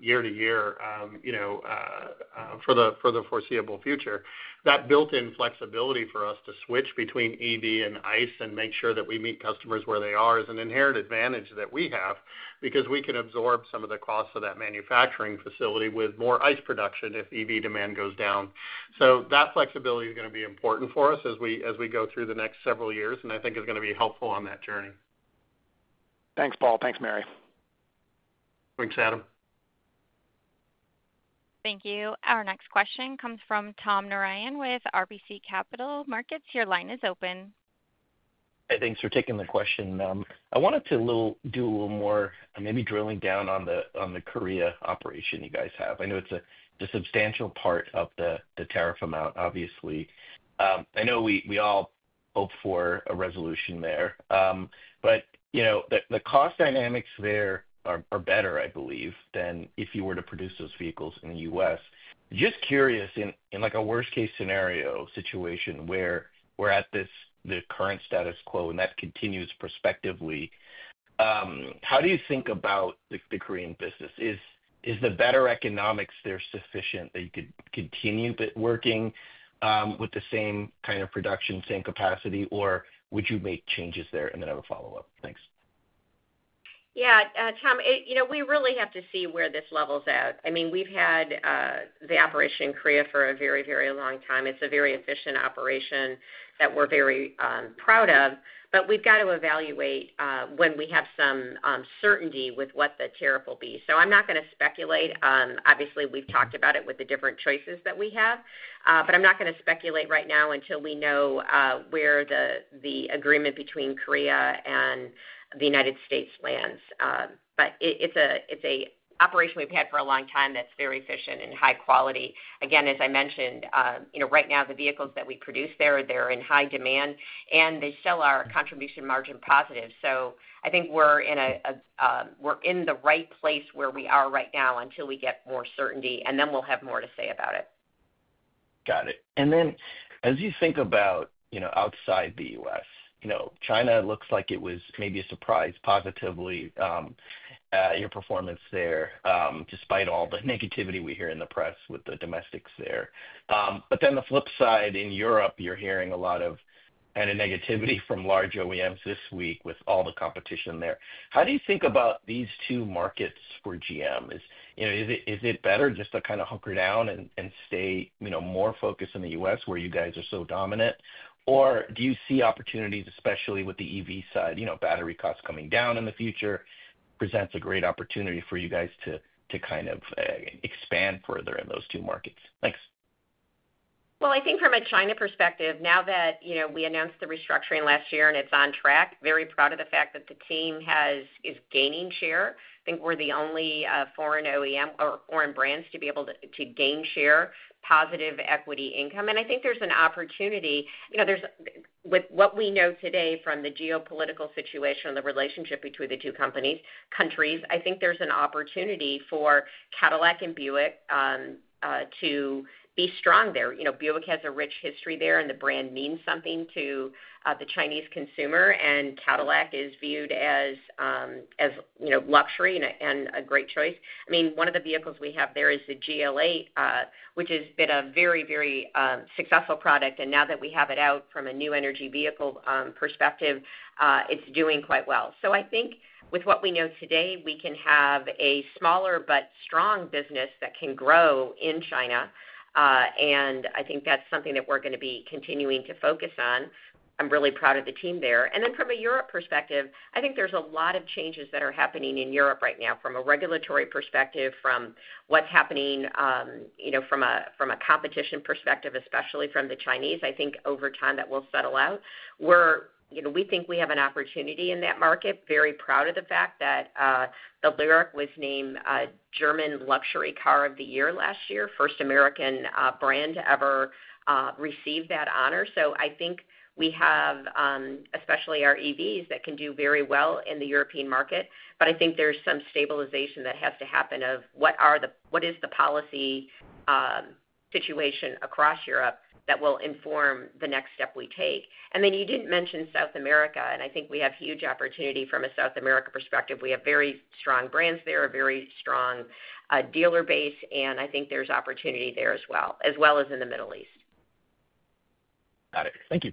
year to year for the foreseeable future. That built-in flexibility for us to switch between EV and ICE and make sure that we meet customers where they are is an inherent advantage that we have because we can absorb some of the costs of that manufacturing facility with more ICE production if EV demand goes down. That flexibility is going to be important for us as we go through the next several years and I think is going to be helpful on that journey.
Thanks, Paul. Thanks, Mary.
Thanks, Adam.
Thank you. Our next question comes from Tom Narayan with RBC Capital Markets. Your line is open.
Hi, thanks for taking the question, ma'am. I wanted to do a little more maybe drilling down on the Korea operation you guys have. I know it's a substantial part of the tariff amount, obviously. I know we all hope for a resolution there, but, you know, the cost dynamics there are better, I believe, than if you were to produce those vehicles in the U.S. Just curious, in, like, a worst-case scenario situation where we're at the current status quo and that continues prospectively, how do you think about the Korean business? Is the better economics there sufficient that you could continue working with the same kind of production, same capacity, or would you make changes there? And then have a follow-up. Thanks.
Yeah. Tom, you know, we really have to see where this levels out. I mean, we've had the operation in Korea for a very, very long time. It's a very efficient operation that we're very proud of. But we've got to evaluate when we have some certainty with what the tariff will be. I'm not going to speculate. Obviously, we've talked about it with the different choices that we have, but I'm not going to speculate right now until we know where the agreement between Korea and the United States lands. It's an operation we've had for a long time that's very efficient and high quality. Again, as I mentioned, right now, the vehicles that we produce there, they're in high demand. And they still are contribution margin positive. I think we're in the right place where we are right now until we get more certainty. Then we'll have more to say about it.
Got it. And then as you think about, you know, outside the U.S., you know, China looks like it was maybe a surprise positively, your performance there, despite all the negativity we hear in the press with the domestics there. The flip side in Europe, you're hearing a lot of kind of negativity from large OEMs this week with all the competition there. How do you think about these two markets for GM? Is it better just to kind of hunker down and stay, you know, more focused in the U.S. where you guys are so dominant? Or do you see opportunities, especially with the EV side, you know, battery costs coming down in the future, presents a great opportunity for you guys to kind of expand further in those two markets? Thanks.
I think from a China perspective, now that, you know, we announced the restructuring last year and it's on track, very proud of the fact that the team has is gaining share. I think we're the only foreign OEM or foreign brands to be able to gain share, positive equity income. I think there's an opportunity. You know, with what we know today from the geopolitical situation and the relationship between the two countries, I think there's an opportunity for Cadillac and Buick to be strong there. You know, Buick has a rich history there. The brand means something to the Chinese consumer. Cadillac is viewed as, as, you know, luxury and a great choice. I mean, one of the vehicles we have there is the GLA, which has been a very, very successful product. Now that we have it out from a new energy vehicle perspective, it's doing quite well. I think with what we know today, we can have a smaller but strong business that can grow in China. I think that's something that we're going to be continuing to focus on. I'm really proud of the team there. From a Europe perspective, I think there's a lot of changes that are happening in Europe right now from a regulatory perspective, from what's happening, you know, from a competition perspective, especially from the Chinese. I think over time that will settle out. We're, you know, we think we have an opportunity in that market. Very proud of the fact that the LYRIQ was named a German luxury car of the year last year, first American brand to ever receive that honor. I think we have, especially our EVs that can do very well in the European market. I think there's some stabilization that has to happen of what are the, what is the policy situation across Europe that will inform the next step we take. You didn't mention South America. I think we have huge opportunity from a South America perspective. We have very strong brands there, a very strong dealer base. I think there's opportunity there as well, as well as in the Middle East.
Got it. Thank you.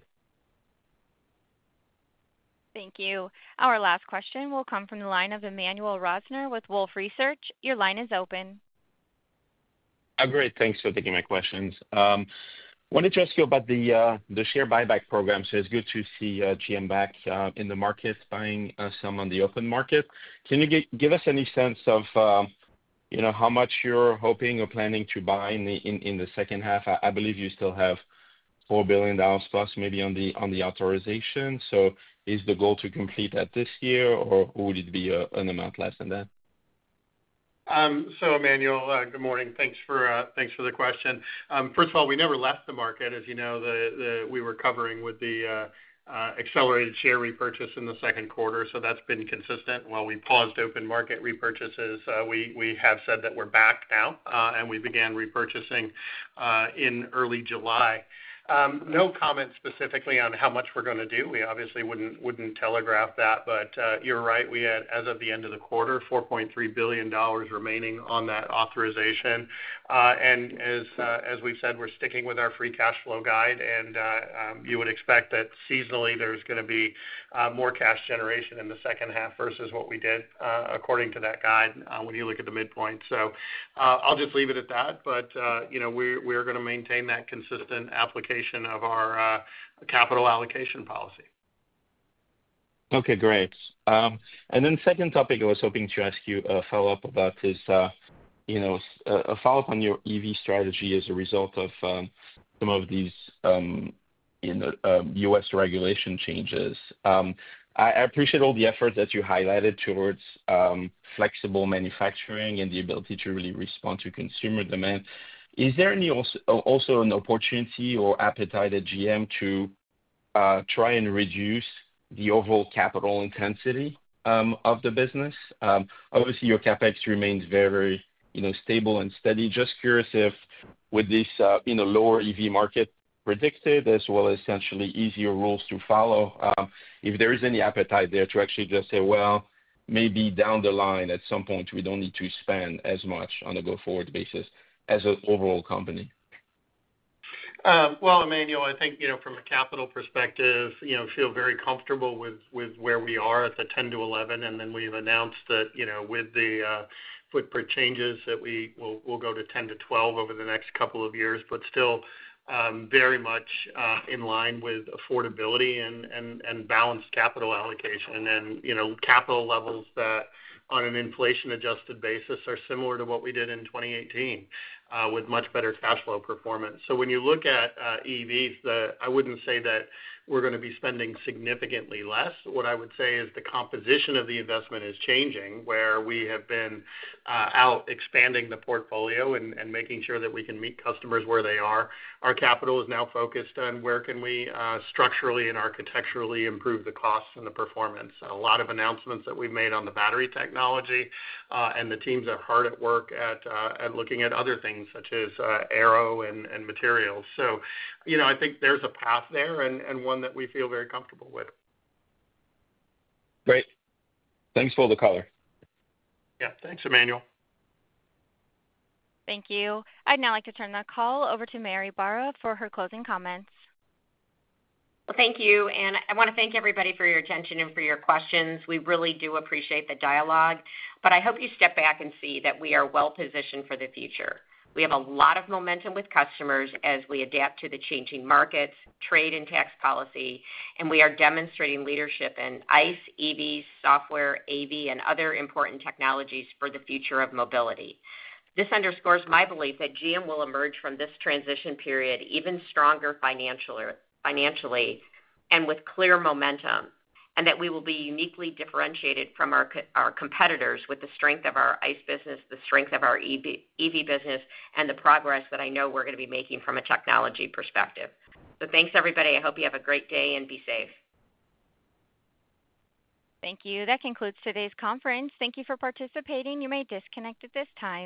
Thank you. Our last question will come from the line of Emmanuel Rosner with Wolfe Research. Your line is open.
I'm great. Thanks for taking my questions. I wanted to ask you about the share buyback program. It's good to see GM back in the markets, buying some on the open market. Can you give us any sense of how much you're hoping or planning to buy in the second half? I believe you still have $4 billion plus, maybe, on the authorization. Is the goal to complete that this year, or would it be an amount less than that?
Emmanuel, good morning. Thanks for the question. First of all, we never left the market. As you know, we were covering with the accelerated share repurchase in the second quarter. That's been consistent. While we paused open market repurchases, we have said that we're back now, and we began repurchasing in early July. No comment specifically on how much we're going to do. We obviously wouldn't telegraph that. You're right. We had, as of the end of the quarter, $4.3 billion remaining on that authorization. As we've said, we're sticking with our free cash flow guide. You would expect that seasonally there's going to be more cash generation in the second half versus what we did, according to that guide, when you look at the midpoint. I'll just leave it at that. We're going to maintain that consistent application of our capital allocation policy.
Great. The second topic, I was hoping to ask you a follow-up about your EV strategy as a result of some of these U.S. regulation changes. I appreciate all the efforts that you highlighted towards flexible manufacturing and the ability to really respond to consumer demand. Is there also an opportunity or appetite at GM to try and reduce the overall capital intensity of the business? Obviously, your CapEx remains very, very stable and steady. Just curious if with this lower EV market predicted as well as essentially easier rules to follow, if there is any appetite there to actually just say, "Maybe down the line at some point, we don't need to spend as much on a go-forward basis as an overall company"?
Emmanuel, I think from a capital perspective, I feel very comfortable with where we are at the 10 to 11. Then we've announced that with the footprint changes that we will go to 10-12 over the next couple of years, but still very much in line with affordability and balanced capital allocation and capital levels that on an inflation-adjusted basis are similar to what we did in 2018, with much better cash flow performance. When you look at EVs, I wouldn't say that we're going to be spending significantly less. What I would say is the composition of the investment is changing where we have been out expanding the portfolio and making sure that we can meet customers where they are. Our capital is now focused on where we can structurally and architecturally improve the costs and the performance. A lot of announcements that we have made on the battery technology, and the teams are hard at work at looking at other things such as aero and materials. You know, I think there is a path there and one that we feel very comfortable with.
Great. Thanks for the color.
Yeah. Thanks, Emmanuel.
Thank you. I would now like to turn the call over to Mary Barra for her closing comments.
Thank you. I want to thank everybody for your attention and for your questions. We really do appreciate the dialogue. I hope you step back and see that we are well-positioned for the future. We have a lot of momentum with customers as we adapt to the changing markets, trade and tax policy. We are demonstrating leadership in ICE, EVs, software, AV, and other important technologies for the future of mobility. This underscores my belief that GM will emerge from this transition period even stronger financially and with clear momentum and that we will be uniquely differentiated from our competitors with the strength of our ICE business, the strength of our EV business, and the progress that I know we are going to be making from a technology perspective. Thanks, everybody. I hope you have a great day and be safe.
Thank you. That concludes today's conference. Thank you for participating. You may disconnect at this time.